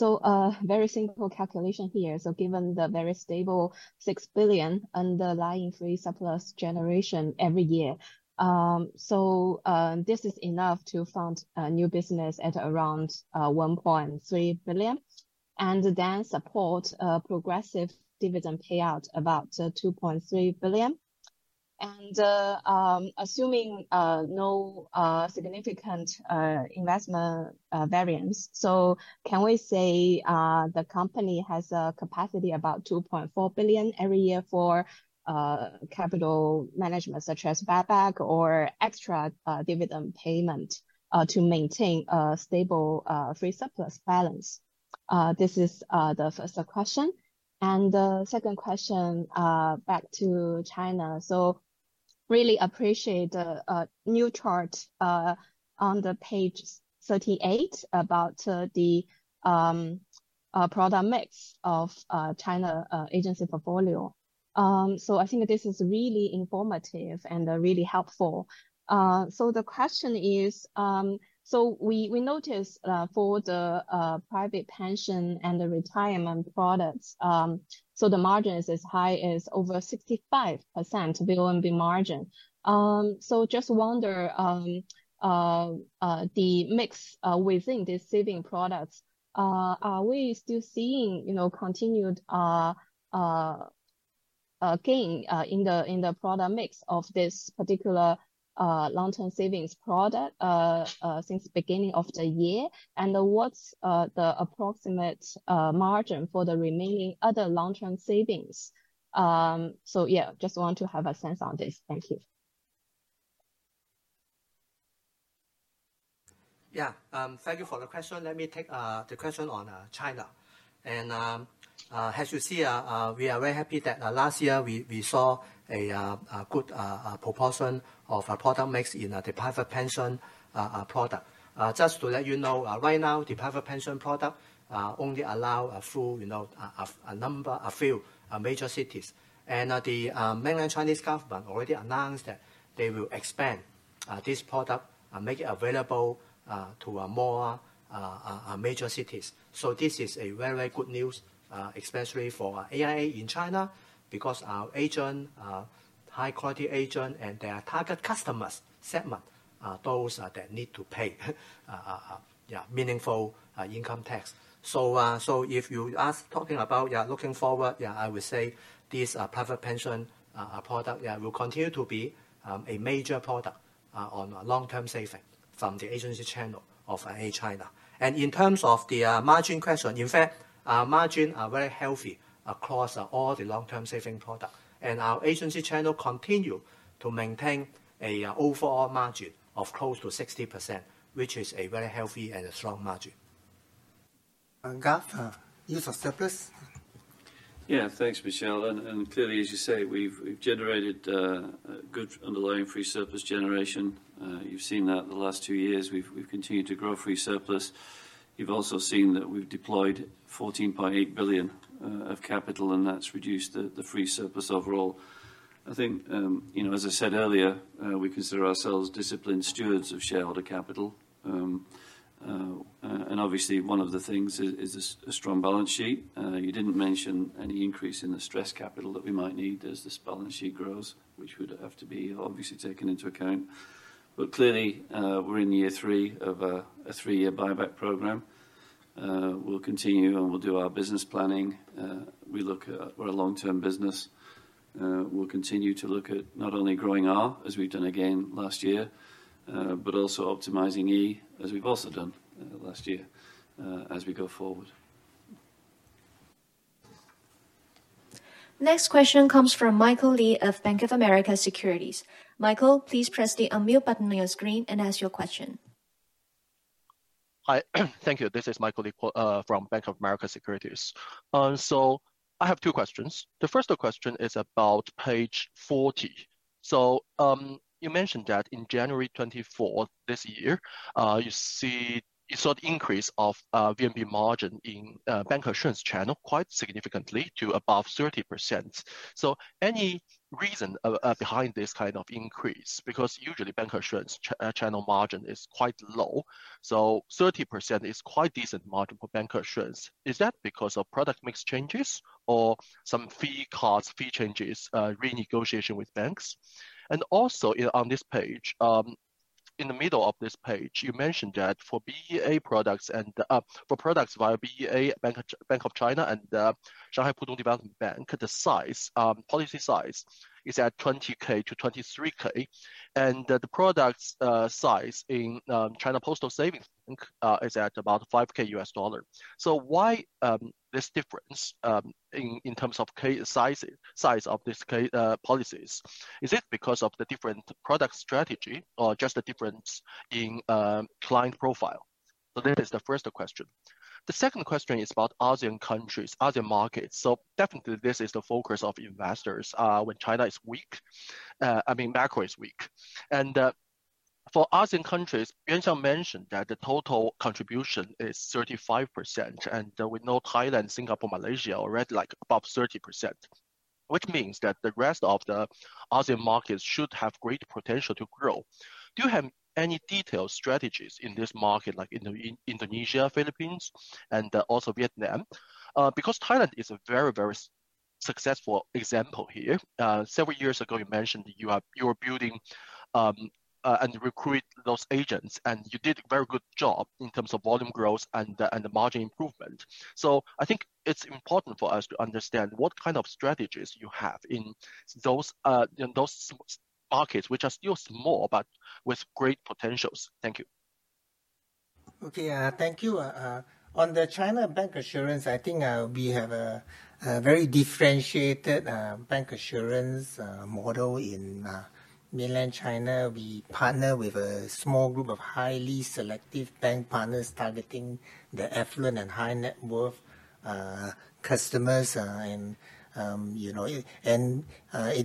A very simple calculation here. Given the very stable $6 billion underlying free surplus generation every year, this is enough to fund a new business at around $1.3 billion and then support progressive dividend payout about $2.3 billion. And assuming no significant investment variance, can we say the company has a capacity about $2.4 billion every year for capital management such as buyback or extra dividend payment to maintain a stable free surplus balance? This is the first question. And the second question, back to China. Really appreciate the new chart on page 38 about the product mix of China agency portfolio. I think this is really informative and really helpful. So the question is, so we noticed for the private pension and the retirement products, so the margin is as high as over 65% VOMB margin. So just wonder, the mix within these saving products, are we still seeing continued gain in the product mix of this particular long-term savings product since the beginning of the year? And what's the approximate margin for the remaining other long-term savings? So yeah, just want to have a sense on this. Thank you. Yeah. Thank you for the question. Let me take the question on China. And as you see, we are very happy that last year, we saw a good proportion of our product mix in the private pension product. Just to let you know, right now, the private pension product only allows a few major cities. And the mainland Chinese government already announced that they will expand this product, make it available to more major cities. So this is very, very good news, especially for AIA in China because our high-quality agent and their target customers segment, those that need to pay, yeah, meaningful income tax. So if you ask talking about looking forward, yeah, I would say this private pension product will continue to be a major product on long-term saving from the agency channel of AIA China. In terms of the margin question, in fact, margins are very healthy across all the long-term saving products. Our agency channel continues to maintain an overall margin of close to 60%, which is a very healthy and a strong margin. Garth, use of surplus? Yeah. Thanks, Michelle. And clearly, as you say, we've generated good underlying free surplus generation. You've seen that the last two years. We've continued to grow free surplus. You've also seen that we've deployed $14.8 billion of capital, and that's reduced the free surplus overall. I think, as I said earlier, we consider ourselves disciplined stewards of shareholder capital. And obviously, one of the things is a strong balance sheet. You didn't mention any increase in the stress capital that we might need as this balance sheet grows, which would have to be obviously taken into account. But clearly, we're in year three of a three-year buyback program. We'll continue, and we'll do our business planning. We're a long-term business. We'll continue to look at not only growing R, as we've done again last year, but also optimizing E, as we've also done last year as we go forward. Next question comes from Michael Li of Bank of America Securities. Michael, please press the unmute button on your screen and ask your question. Hi. Thank you. This is Michael Li from Bank of America Securities. I have two questions. The first question is about page 40. You mentioned that in January 2024, you saw the increase of VOMB margin in bancassurance channel quite significantly to above 30%. Any reason behind this kind of increase? Because usually, bancassurance channel margin is quite low. 30% is quite a decent margin for bancassurance. Is that because of product mix changes or some fee changes, renegotiation with banks? And also on this page, in the middle of this page, you mentioned that for BEA products and for products via BEA, Bank of China and Shanghai Pudong Development Bank, the policy size is at $20,000-$23,000. And the product size in China Postal Savings Bank is at about $5,000. Why this difference in terms of size of these policies? Is it because of the different product strategy or just the difference in client profile? That is the first question. The second question is about ASEAN countries, ASEAN markets. Definitely, this is the focus of investors when China is weak, I mean, macro is weak. For ASEAN countries, Yuan Siong mentioned that the total contribution is 35%. We know Thailand, Singapore, Malaysia are already above 30%, which means that the rest of the ASEAN markets should have great potential to grow. Do you have any detailed strategies in this market, like Indonesia, Philippines, and also Vietnam? Because Thailand is a very, very successful example here. Several years ago, you mentioned you were building and recruiting those agents. You did a very good job in terms of volume growth and margin improvement. I think it's important for us to understand what kind of strategies you have in those markets, which are still small but with great potentials. Thank you. Okay. Thank you. On the China bancassurance, I think we have a very differentiated bancassurance model in mainland China. We partner with a small group of highly selective bank partners targeting the affluent and high-net-worth customers. It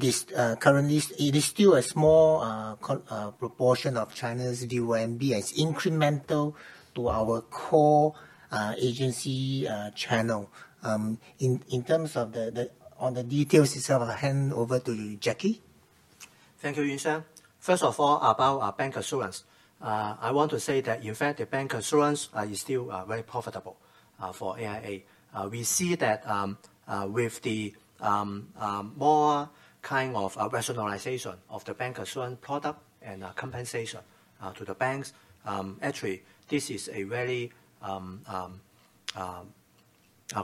is currently still a small proportion of China's VOMB. It's incremental to our core agency channel. In terms of the details itself, I hand over to Jacky. Thank you, Yuan Siong Lee. First of all, about bancassurance, I want to say that, in fact, the bancassurance is still very profitable for AIA. We see that with the more kind of rationalization of the bancassurance product and compensation to the banks, actually, this is a very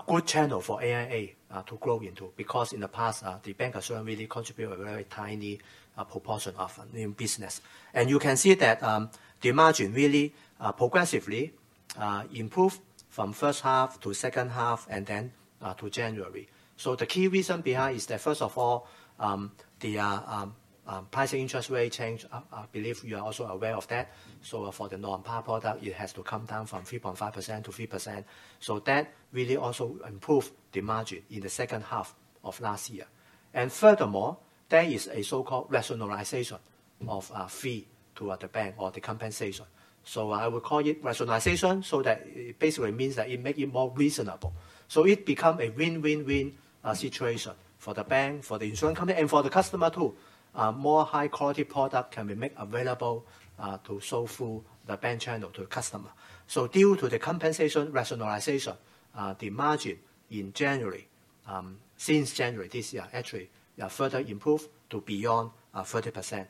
good channel for AIA to grow into because in the past, the bancassurance really contributed a very tiny proportion of business. And you can see that the margin really progressively improved from first half to second half and then to January. So the key reason behind is that, first of all, the pricing interest rate change I believe you are also aware of that. So for the non-PAR product, it has to come down from 3.5%-3%. So that really also improved the margin in the second half of last year. Furthermore, there is a so-called rationalization of fee to the bank or the compensation. I would call it rationalization so that it basically means that it makes it more reasonable. It becomes a win-win-win situation for the bank, for the insurance company, and for the customer too. More high-quality product can be made available to fulfill the bank channel to the customer. Due to the compensation rationalization, the margin in January, since January this year, actually further improved to beyond 30%.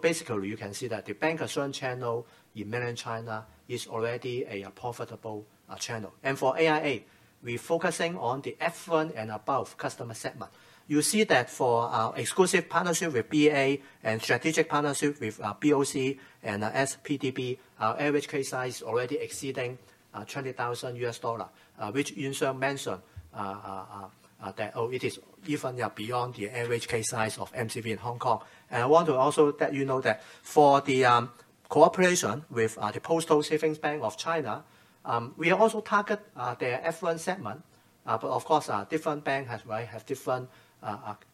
Basically, you can see that the bancassurance channel in mainland China is already a profitable channel. And for AIA, we're focusing on the affluent and above customer segment. You see that for our exclusive partnership with BEA and strategic partnership with BOC and SPDB, our average case size is already exceeding $20,000, which Yuan Siong mentioned that it is even beyond the average case size of MCV in Hong Kong. And I want to also let you know that for the cooperation with the Postal Savings Bank of China, we also target their affluent segment. But of course, different banks have different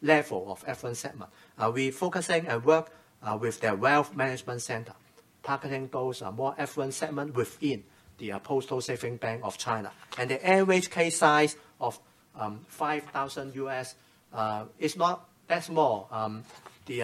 levels of affluent segment. We're focusing and working with their wealth management center, targeting those more affluent segments within the Postal Savings Bank of China. And the average case size of $5,000 is not that small. The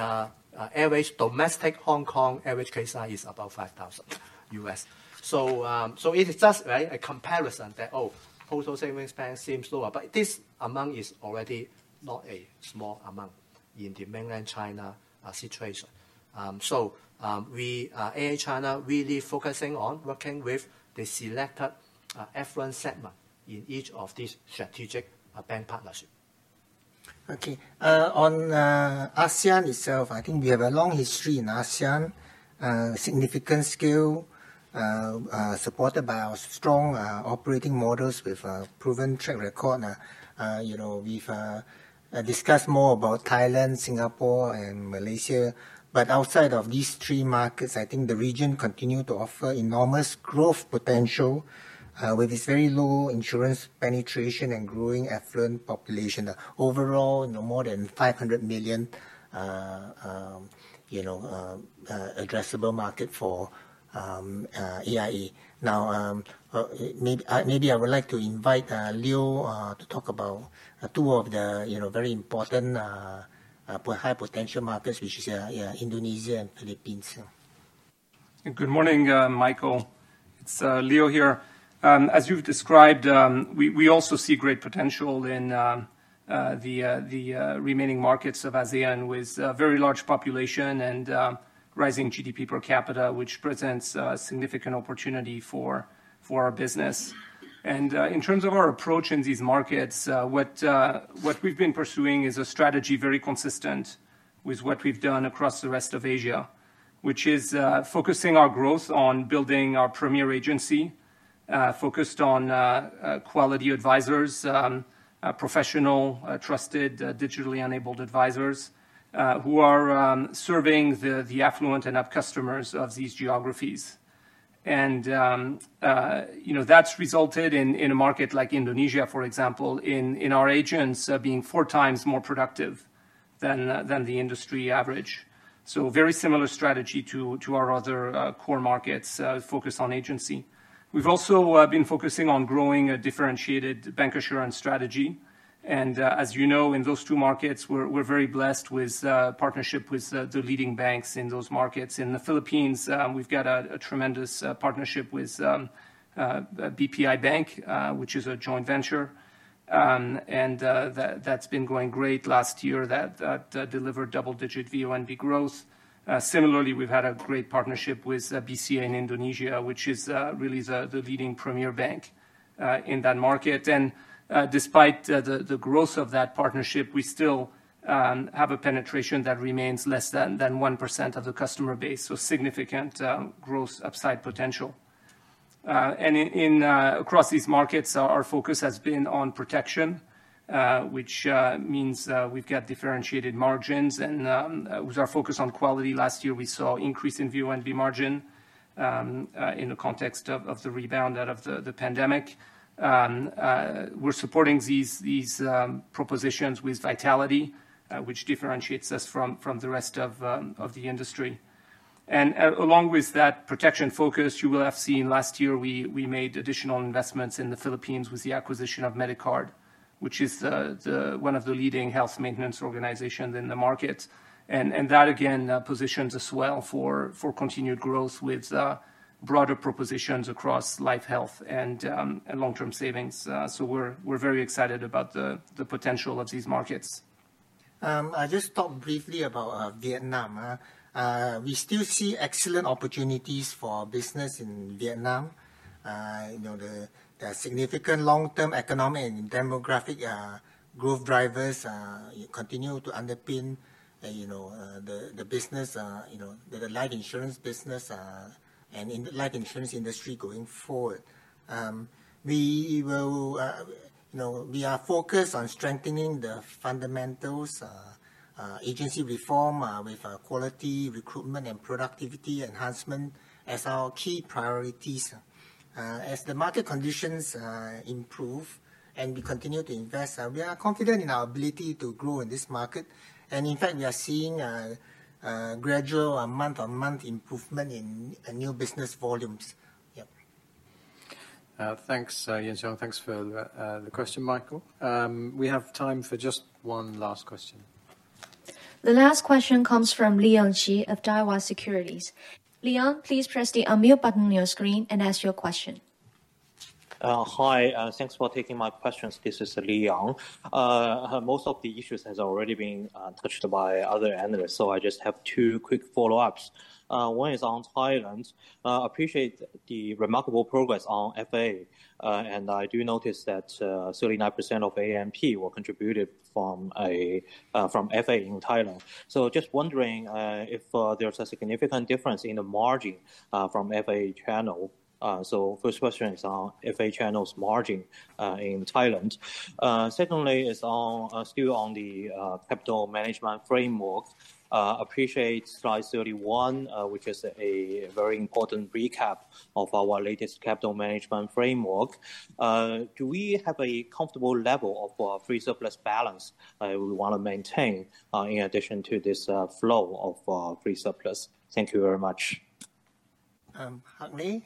average domestic Hong Kong average case size is about $5,000. So it is just a comparison that, oh, Postal Savings Bank seems lower. This amount is already not a small amount in the mainland China situation. AIA China really focusing on working with the selected affluent segment in each of these strategic bank partnerships. Okay. On ASEAN itself, I think we have a long history in ASEAN, significant scale, supported by our strong operating models with a proven track record. We've discussed more about Thailand, Singapore, and Malaysia. But outside of these three markets, I think the region continues to offer enormous growth potential with its very low insurance penetration and growing affluent population, overall more than 500 million addressable market for AIA. Now, maybe I would like to invite Leo to talk about two of the very important high-potential markets, which is Indonesia and Philippines. Good morning, Michael. It's Leo here. As you've described, we also see great potential in the remaining markets of ASEAN with a very large population and rising GDP per capita, which presents significant opportunity for our business. In terms of our approach in these markets, what we've been pursuing is a strategy very consistent with what we've done across the rest of Asia, which is focusing our growth on building our premier agency focused on quality advisors, professional, trusted, digitally-enabled advisors who are serving the affluent and up customers of these geographies. And that's resulted in a market like Indonesia, for example, in our agents being 4x more productive than the industry average. Very similar strategy to our other core markets focused on agency. We've also been focusing on growing a differentiated bancassurance strategy. As you know, in those two markets, we're very blessed with partnership with the leading banks in those markets. In the Philippines, we've got a tremendous partnership with BPI Bank, which is a joint venture. That's been going great last year. That delivered double-digit VOMB growth. Similarly, we've had a great partnership with BCA in Indonesia, which is really the leading premier bank in that market. Despite the growth of that partnership, we still have a penetration that remains less than 1% of the customer base. Significant growth upside potential. Across these markets, our focus has been on protection, which means we've got differentiated margins. With our focus on quality, last year, we saw an increase in VOMB margin in the context of the rebound out of the pandemic. We're supporting these propositions with vitality, which differentiates us from the rest of the industry. Along with that protection focus, you will have seen last year, we made additional investments in the Philippines with the acquisition of MediCard, which is one of the leading health maintenance organizations in the market. That, again, positions us well for continued growth with broader propositions across life health and long-term savings. We're very excited about the potential of these markets. I'll just talk briefly about Vietnam. We still see excellent opportunities for business in Vietnam. There are significant long-term economic and demographic growth drivers that continue to underpin the business, the life insurance business, and the life insurance industry going forward. We are focused on strengthening the fundamentals, agency reform with quality, recruitment, and productivity enhancement as our key priorities. As the market conditions improve and we continue to invest, we are confident in our ability to grow in this market. And in fact, we are seeing gradual month-on-month improvement in new business volumes. Yep. Thanks, Lee Yuan Siong. Thanks for the question, Michael. We have time for just one last question. The last question comes from Leon Qi of Daiwa Securities. Leon, please press the unmute button on your screen and ask your question. Hi. Thanks for taking my questions. This is Leon. Most of the issues have already been touched by other analysts. I just have two quick follow-ups. One is on Thailand. I appreciate the remarkable progress on FA. And I do notice that 39% of ANP were contributed from FA in Thailand. Just wondering if there's a significant difference in the margin from FA channel. First question is on FA channel's margin in Thailand. Secondly, it's still on the capital management framework. I appreciate slide 31, which is a very important recap of our latest capital management framework. Do we have a comfortable level of free surplus balance we want to maintain in addition to this flow of free surplus? Thank you very much. Hak Leh.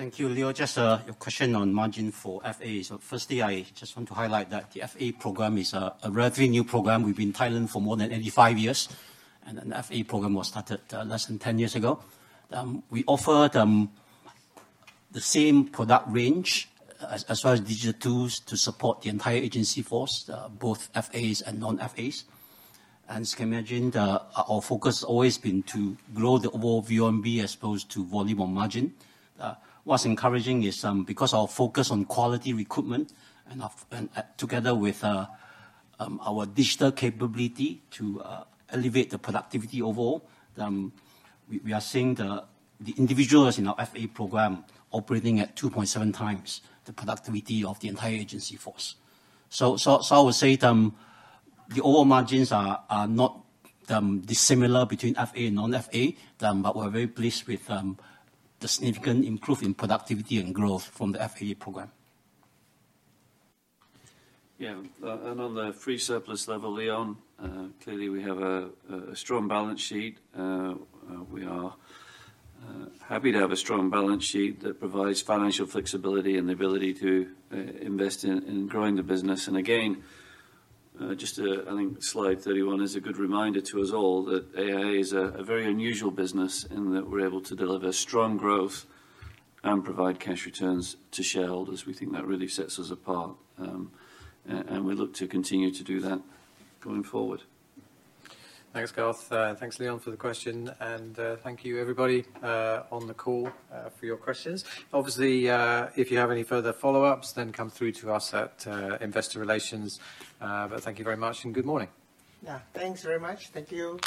Thank you, Leo. Just your question on margin for FAA. So firstly, I just want to highlight that the FAA program is a relatively new program. We've been in Thailand for more than 85 years. The FAA program was started less than 10 years ago. We offer the same product range as well as digital tools to support the entire agency force, both FAAs and non-FAAs. As you can imagine, our focus has always been to grow the overall VOMB as opposed to volume or margin. What's encouraging is because our focus on quality recruitment and together with our digital capability to elevate the productivity overall, we are seeing the individuals in our FAA program operating at 2.7x the productivity of the entire agency force. So I would say the overall margins are not dissimilar between FAA and non-FAA. We're very pleased with the significant improvement in productivity and growth from the FA program. Yeah. On the Free Surplus level, Leon, clearly, we have a strong balance sheet. We are happy to have a strong balance sheet that provides financial flexibility and the ability to invest in growing the business. Again, just I think slide 31 is a good reminder to us all that AIA is a very unusual business in that we're able to deliver strong growth and provide cash returns to shareholders. We think that really sets us apart. We look to continue to do that going forward. Thanks, Garth. Thanks, Leon, for the question. Thank you, everybody on the call, for your questions. Obviously, if you have any further follow-ups, then come through to us at Investor Relations. Thank you very much. Good morning. Yeah. Thanks very much. Thank you.